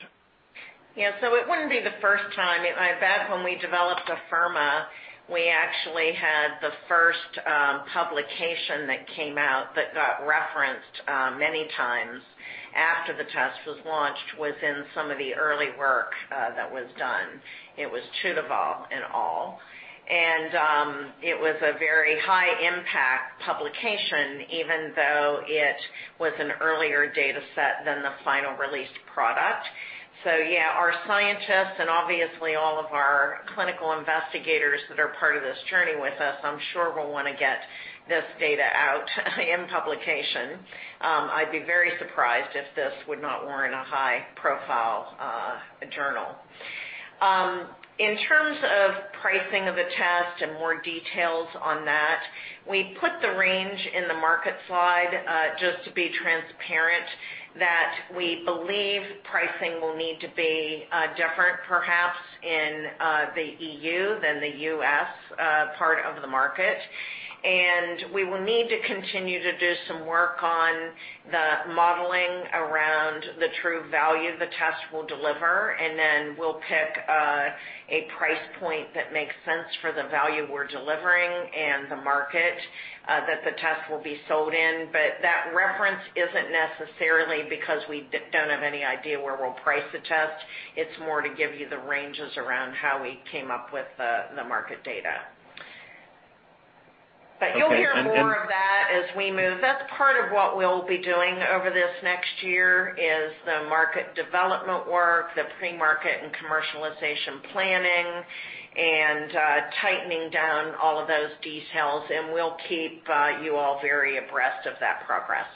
It wouldn't be the first time. I bet when we developed Afirma, we actually had the first publication that came out that got referenced many times after the test was launched within some of the early work that was done. It was Chudova et al., and it was a very high impact publication, even though it was an earlier data set than the final released product. Yeah, our scientists and obviously all of our clinical investigators that are part of this journey with us, I'm sure will want to get this data out in publication. I'd be very surprised if this would not warrant a high profile journal. In terms of pricing of the test and more details on that, we put the range in the market slide, just to be transparent that we believe pricing will need to be different, perhaps in the EU than the U.S. part of the market, and we will need to continue to do some work on the modeling around the true value the test will deliver, and then we'll pick a price point that makes sense for the value we're delivering and the market that the test will be sold in. That reference isn't necessarily because we don't have any idea where we'll price the test. It's more to give you the ranges around how we came up with the market data. You'll hear more of that as we move. That's part of what we'll be doing over this next year, is the market development work, the pre-market and commercialization planning, and tightening down all of those details. We'll keep you all very abreast of that progress.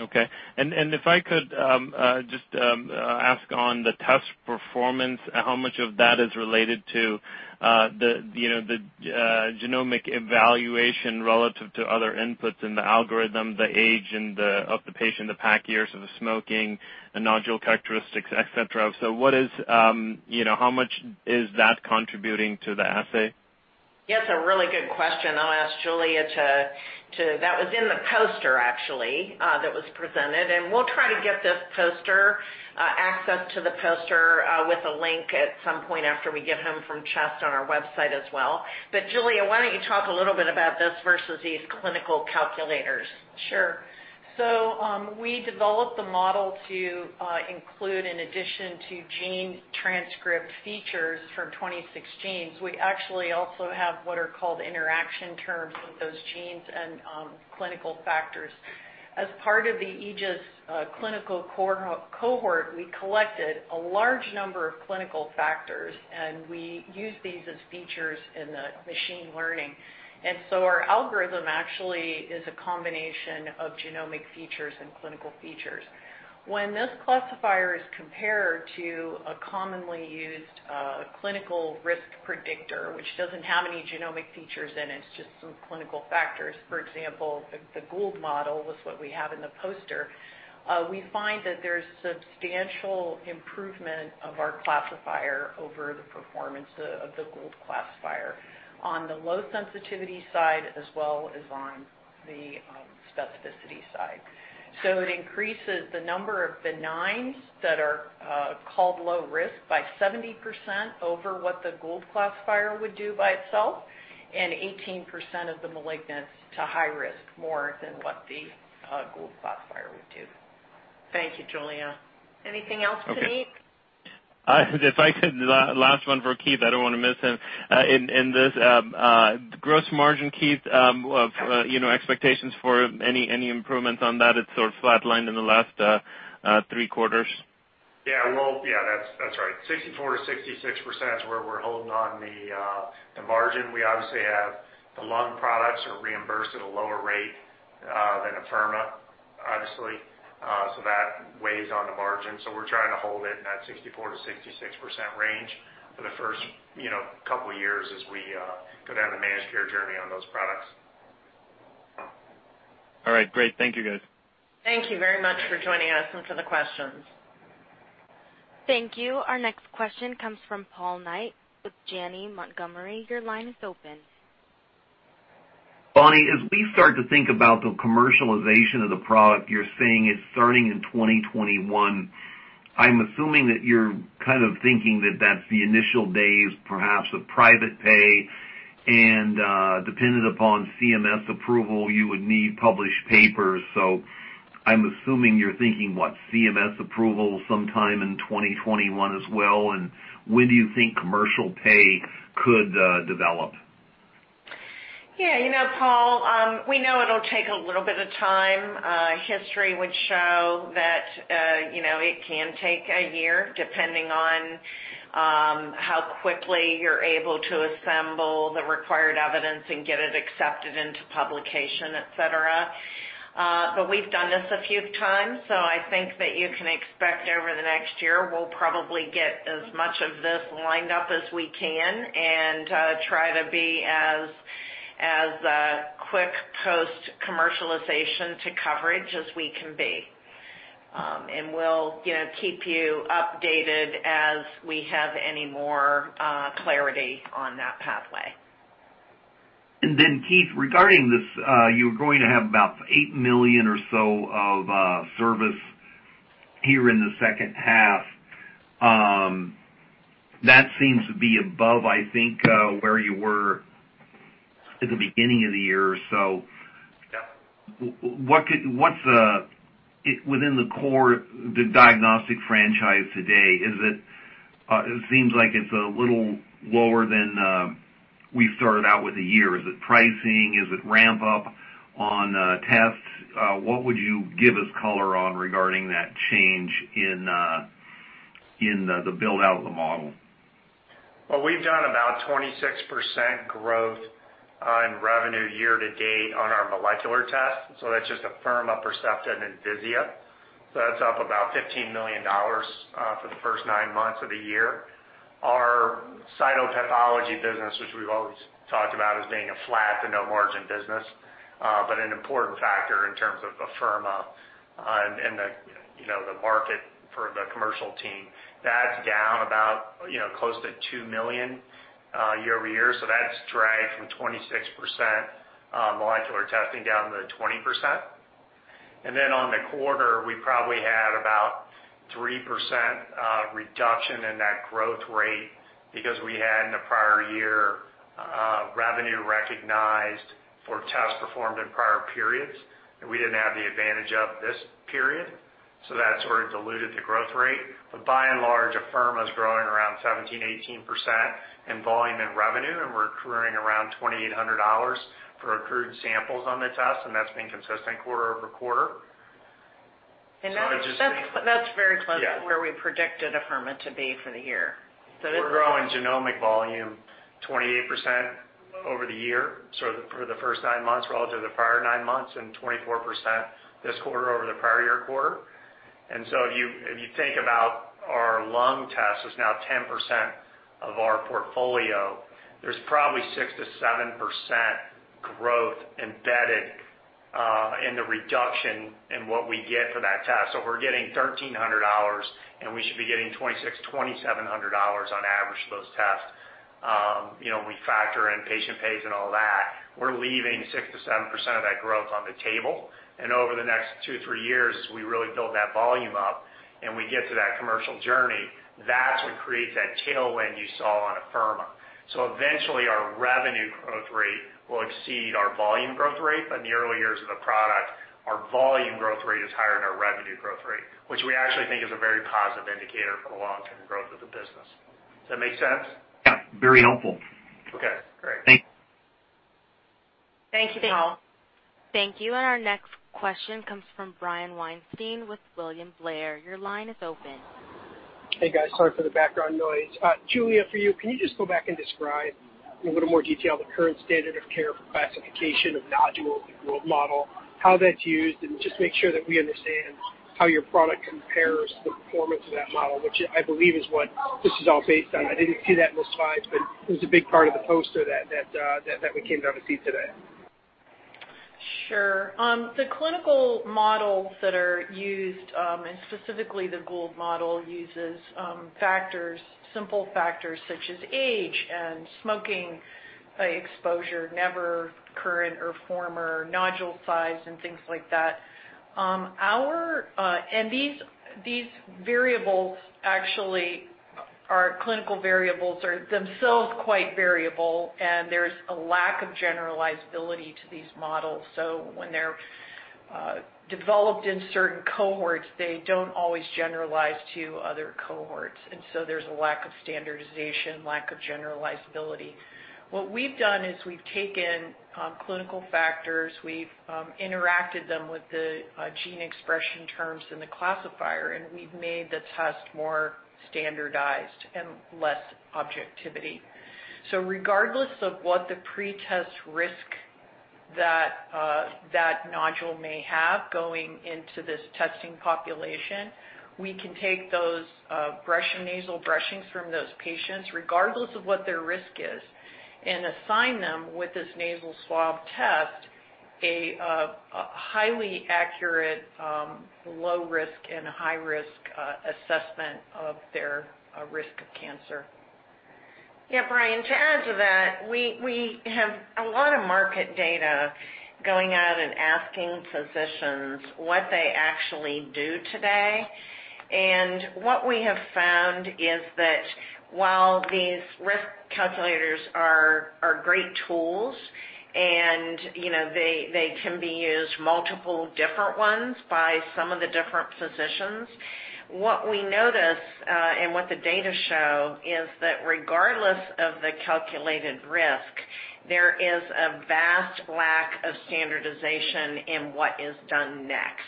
Okay. If I could just ask on the test performance, how much of that is related to the genomic evaluation relative to other inputs in the algorithm, the age of the patient, the pack years of the smoking, the nodule characteristics, et cetera. How much is that contributing to the assay? Yeah, it's a really good question. I'll ask Giulia. That was in the poster actually, that was presented, and we'll try to get this poster, access to the poster, with a link at some point after we get home from CHEST on our website as well. Giulia, why don't you talk a little bit about this versus these clinical calculators? Sure. We developed the model to include in addition to gene transcript features from 26 genes. We actually also have what are called interaction terms with those genes and clinical factors. As part of the AEGIS clinical cohort, we collected a large number of clinical factors, and we use these as features in the machine learning. Our algorithm actually is a combination of genomic features and clinical features. When this classifier is compared to a commonly used clinical risk predictor, which doesn't have any genomic features in it's just some clinical factors, for example, the Gould model was what we have in the poster. We find that there's substantial improvement of our classifier over the performance of the Gould classifier on the low sensitivity side as well as on the specificity side. It increases the number of benigns that are called low risk by 70% over what the Gould model would do by itself, and 18% of the malignant to high risk, more than what the Gould model would do. Thank you, Giulia. Anything else, Puneet? Okay. If I could, last one for Keith, I don't want to miss him in this. Gross margin, Keith, expectations for any improvements on that? It's sort of flat-lined in the last three quarters. Yeah. Well, that's right. 64%-66% is where we're holding on the margin. We obviously have the lung products are reimbursed at a lower rate than Afirma, obviously. That weighs on the margin. We're trying to hold it in that 64%-66% range for the first couple of years as we go down the managed care journey on those products. All right, great. Thank you, guys. Thank you very much for joining us and for the questions. Thank you. Our next question comes from Paul Knight with Janney Montgomery. Your line is open. Bonnie, as we start to think about the commercialization of the product, you're saying it's starting in 2021. I'm assuming that you're thinking that that's the initial days, perhaps of private pay, and dependent upon CMS approval, you would need published papers. I'm assuming you're thinking, what, CMS approval sometime in 2021 as well? When do you think commercial pay could develop? Yeah. Paul, we know it'll take a little bit of time. History would show that it can take a year depending on how quickly you're able to assemble the required evidence and get it accepted into publication, et cetera. We've done this a few times. I think that you can expect over the next year, we'll probably get as much of this lined up as we can and try to be as quick post-commercialization to coverage as we can be. We'll keep you updated as we have any more clarity on that pathway. Keith, regarding this, you're going to have about $8 million or so of service here in the second half. That seems to be above, I think, where you were at the beginning of the year or so. Yeah. Within the core, the diagnostic franchise today, it seems like it's a little lower than we started out with the year. Is it pricing? Is it ramp up on tests? What would you give us color on regarding that change in the build-out of the model? We've done about 26% growth on revenue year to date on our molecular tests. That's just Afirma, Percepta and Envisia. That's up about $15 million for the first nine months of the year. Our cytopathology business, which we've always talked about as being a flat to no margin business, but an important factor in terms of Afirma and the market for the commercial team. That's down about close to $2 million year-over-year. That's dragged from 26% molecular testing down to 20%. On the quarter, we probably had about 3% reduction in that growth rate because we had in the prior year revenue recognized for tests performed in prior periods that we didn't have the advantage of this period. That sort of diluted the growth rate. By and large, Afirma is growing around 17%-18% in volume and revenue and accruing around $2,800 for accrued samples on the test. That's been consistent quarter-over-quarter. That's very close to where we predicted Afirma to be for the year. We're growing genomic volume 28% over the year, so for the first nine months relative to the prior nine months and 24% this quarter over the prior year quarter. If you think about our lung test is now 10% of our portfolio, there's probably 6% to 7% growth embedded, in the reduction in what we get for that test. We're getting $1,300, and we should be getting $2,600, $2,700 on average for those tests. We factor in patient pays and all that. We're leaving 6% to 7% of that growth on the table. Over the next two, three years, as we really build that volume up and we get to that commercial journey, that's what creates that tailwind you saw on Afirma. Eventually our revenue growth rate will exceed our volume growth rate. In the early years of the product, our volume growth rate is higher than our revenue growth rate, which we actually think is a very positive indicator for the long-term growth of the business. Does that make sense? Yeah, very helpful. Okay, great. Thank you. Thank you, Paul. Thank you. Our next question comes from Brian Weinstein with William Blair. Your line is open. Hey, guys. Sorry for the background noise. Giulia, for you, can you just go back and describe in a little more detail the current standard of care for classification of nodule, the Gould model, how that's used, and just make sure that we understand how your product compares the performance of that model, which I believe is what this is all based on? I didn't see that in the slides, but it was a big part of the poster that we came down to see today. Sure. The clinical models that are used, specifically the Gould model, uses simple factors such as age and smoking exposure, never current or former, nodule size, and things like that. These variables actually are clinical variables, are themselves quite variable, and there's a lack of generalizability to these models. When they're developed in certain cohorts, they don't always generalize to other cohorts. There's a lack of standardization, lack of generalizability. What we've done is we've taken clinical factors, we've interacted them with the gene expression terms in the classifier, and we've made the test more standardized and less objectivity. Regardless of what the pretest risk that nodule may have going into this testing population, we can take those nasal brushings from those patients, regardless of what their risk is, and assign them with this nasal swab test, a highly accurate, low risk and high risk assessment of their risk of cancer. Yeah, Brian, to add to that, we have a lot of market data going out and asking physicians what they actually do today. What we have found is that while these risk calculators are great tools and they can be used multiple different ones by some of the different physicians. What we notice, and what the data show is that regardless of the calculated risk, there is a vast lack of standardization in what is done next.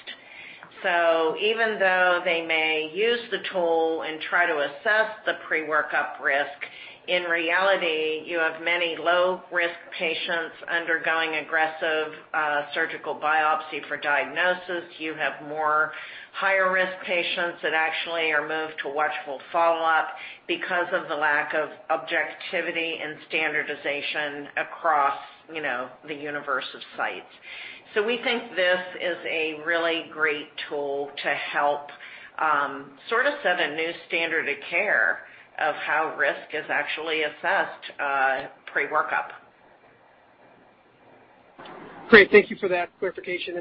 Even though they may use the tool and try to assess the pre-workup risk, in reality, you have many low-risk patients undergoing aggressive surgical biopsy for diagnosis. You have more higher-risk patients that actually are moved to watchful follow-up because of the lack of objectivity and standardization across the universe of sites. We think this is a really great tool to help sort of set a new standard of care of how risk is actually assessed pre-workup. Great. Thank you for that clarification.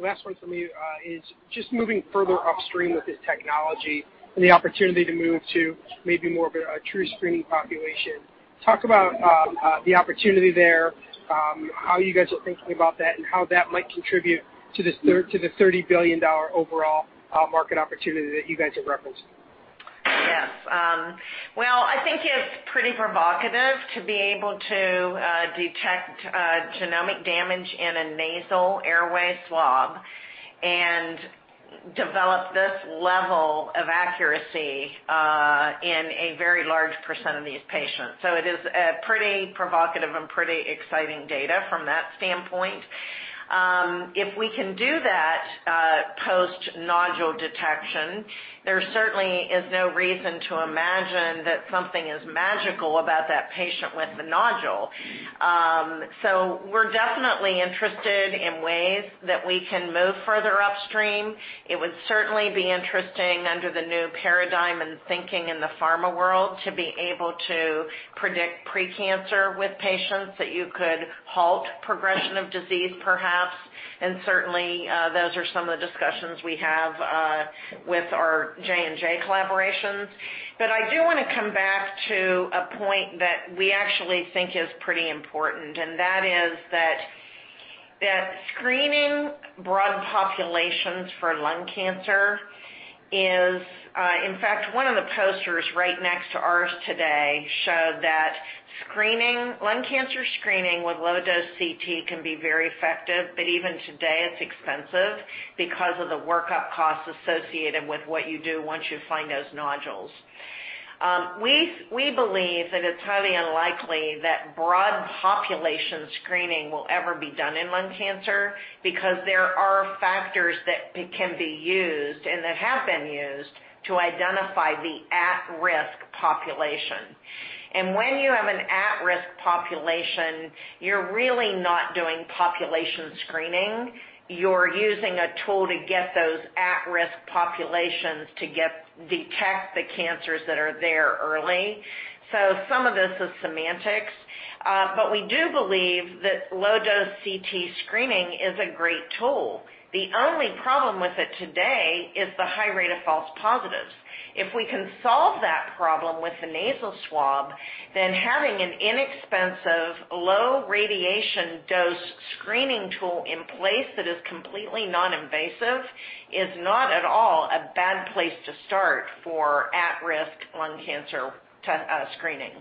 Last one for me is just moving further upstream with this technology and the opportunity to move to maybe more of a true screening population. Talk about the opportunity there, how you guys are thinking about that, and how that might contribute to the $30 billion overall market opportunity that you guys have referenced. Yes. Well, I think it's pretty provocative to be able to detect genomic damage in a nasal airway swab and develop this level of accuracy in a very large % of these patients. It is a pretty provocative and pretty exciting data from that standpoint. If we can do that post-nodule detection, there certainly is no reason to imagine that something is magical about that patient with the nodule. We're definitely interested in ways that we can move further upstream. It would certainly be interesting under the new paradigm and thinking in the pharma world, to be able to predict pre-cancer with patients that you could halt progression of disease perhaps. Certainly, those are some of the discussions we have. With our J&J collaborations. I do want to come back to a point that we actually think is pretty important, and that is that screening broad populations for lung cancer is, in fact, one of the posters right next to ours today showed that lung cancer screening with low-dose CT can be very effective. Even today, it's expensive because of the workup costs associated with what you do once you find those nodules. We believe that it's highly unlikely that broad population screening will ever be done in lung cancer because there are factors that can be used and that have been used to identify the at-risk population. When you have an at-risk population, you're really not doing population screening. You're using a tool to get those at-risk populations to detect the cancers that are there early. Some of this is semantics. We do believe that low-dose CT screening is a great tool. The only problem with it today is the high rate of false positives. If we can solve that problem with the Nasal Swab, then having an inexpensive low radiation dose screening tool in place that is completely non-invasive is not at all a bad place to start for at-risk lung cancer screening.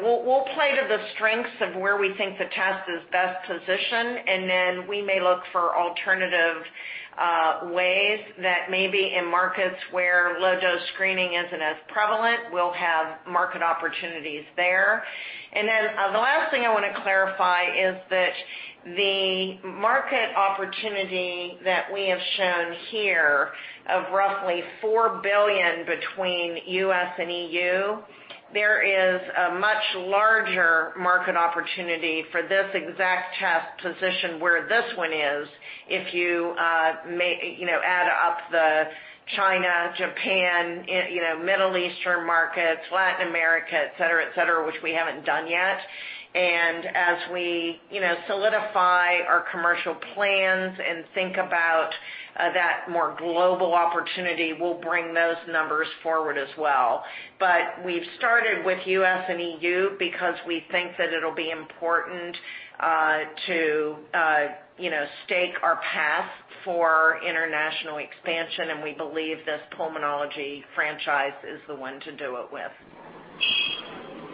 We'll play to the strengths of where we think the test is best positioned, and then we may look for alternative ways that may be in markets where low dose screening isn't as prevalent, we'll have market opportunities there. The last thing I want to clarify is that the market opportunity that we have shown here of roughly $4 billion between U.S. and EU, there is a much larger market opportunity for this exact test position where this one is if you add up the China, Japan, Middle Eastern markets, Latin America, et cetera, which we haven't done yet. As we solidify our commercial plans and think about that more global opportunity, we'll bring those numbers forward as well. We've started with U.S. and EU because we think that it'll be important to stake our path for international expansion, and we believe this pulmonology franchise is the one to do it with.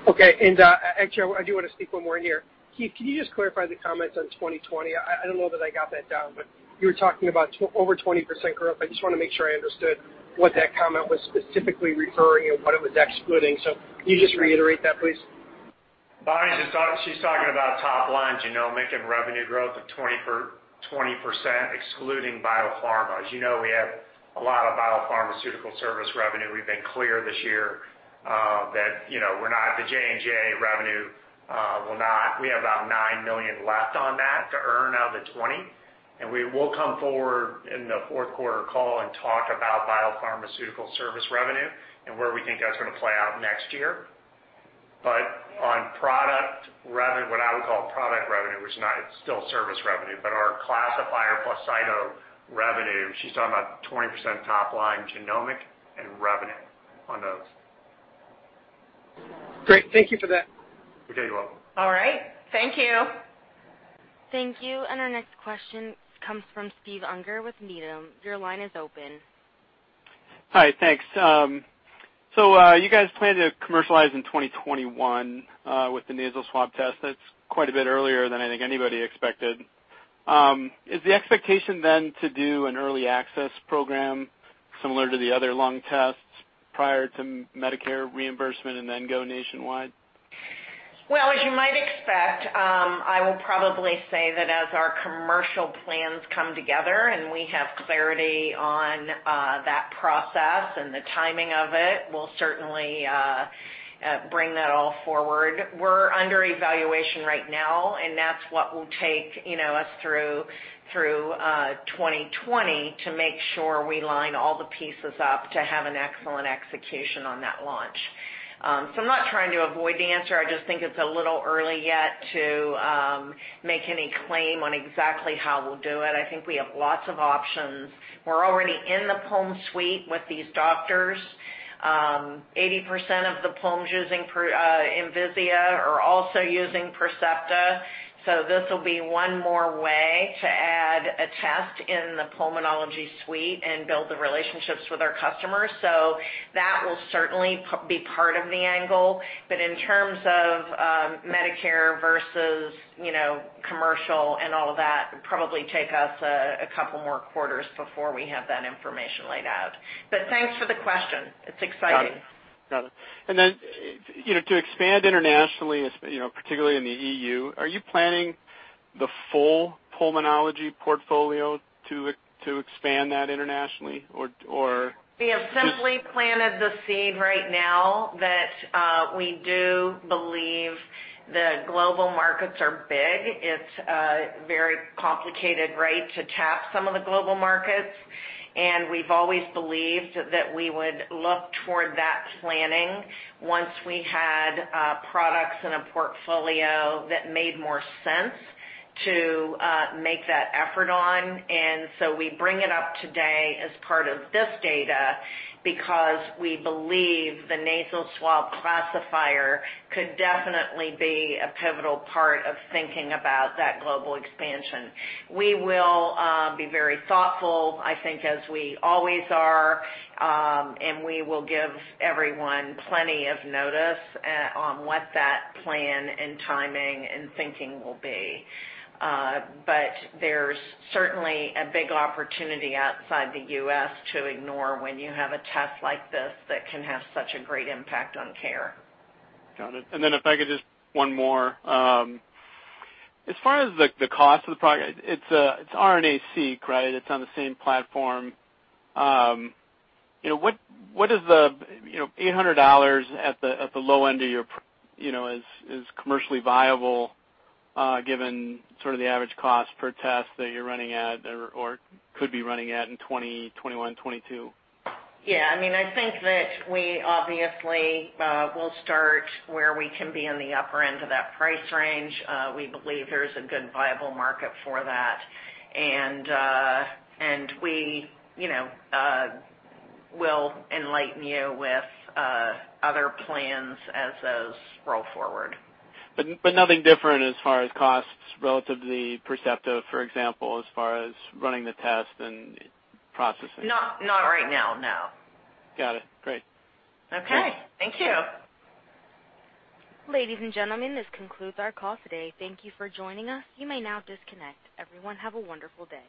Actually, I do want to speak one more in here. Keith, can you just clarify the comments on 2020? I don't know that I got that down, but you were talking about over 20% growth. I just want to make sure I understood what that comment was specifically referring and what it was excluding. Can you just reiterate that, please? Bonnie, she's talking about top lines, making revenue growth of 20% excluding biopharma. We have a lot of biopharmaceutical service revenue. We've been clear this year that we're not at the J&J revenue. We have about $9 million left on that to earn out of the $20 million. We will come forward in the fourth quarter call and talk about biopharmaceutical service revenue and where we think that's going to play out next year. On product revenue, what I would call product revenue, which it's still service revenue, but our classifier plus cyto revenue, she's talking about 20% top line genomic and revenue on those. Great. Thank you for that. Okay, you're welcome. All right. Thank you. Thank you. Our next question comes from Steve Unger with Needham. Your line is open. Hi, thanks. You guys plan to commercialize in 2021 with the nasal swab test. That's quite a bit earlier than I think anybody expected. Is the expectation then to do an early access program similar to the other lung tests prior to Medicare reimbursement and then go nationwide? Well, as you might expect, I will probably say that as our commercial plans come together and we have clarity on that process and the timing of it, we'll certainly bring that all forward. We're under evaluation right now, and that's what will take us through 2020 to make sure we line all the pieces up to have an excellent execution on that launch. I'm not trying to avoid the answer. I just think it's a little early yet to make any claim on exactly how we'll do it. I think we have lots of options. We're already in the pulm suite with these doctors. 80% of the pulms using Envisia are also using Percepta, this will be one more way to add a test in the pulmonology suite and build the relationships with our customers. That will certainly be part of the angle. In terms of Medicare versus commercial and all of that, it'd probably take us a couple more quarters before we have that information laid out. Thanks for the question. It's exciting. Got it. Then to expand internationally, particularly in the EU, are you planning the full pulmonology portfolio to expand that internationally? We have simply planted the seed right now that we do believe the global markets are big. It's a very complicated right to tap some of the global markets. We've always believed that we would look toward that planning once we had products in a portfolio that made more sense to make that effort on. We bring it up today as part of this data because we believe the Percepta Nasal Swab could definitely be a pivotal part of thinking about that global expansion. We will be very thoughtful, I think, as we always are, and we will give everyone plenty of notice on what that plan and timing and thinking will be. There's certainly a big opportunity outside the U.S. to ignore when you have a test like this that can have such a great impact on care. Got it. If I could just one more. As far as the cost of the product, it's RNA-Seq, right? It's on the same platform. $800 at the low end is commercially viable given the average cost per test that you're running at or could be running at in 2021, 2022? Yeah. I think that we obviously will start where we can be in the upper end of that price range. We believe there's a good viable market for that, and we will enlighten you with other plans as those roll forward. Nothing different as far as costs relative to the Percepta, for example, as far as running the test and processing? Not right now, no. Got it. Great. Okay. Thank you. Ladies and gentlemen, this concludes our call today. Thank you for joining us. You may now disconnect. Everyone, have a wonderful day.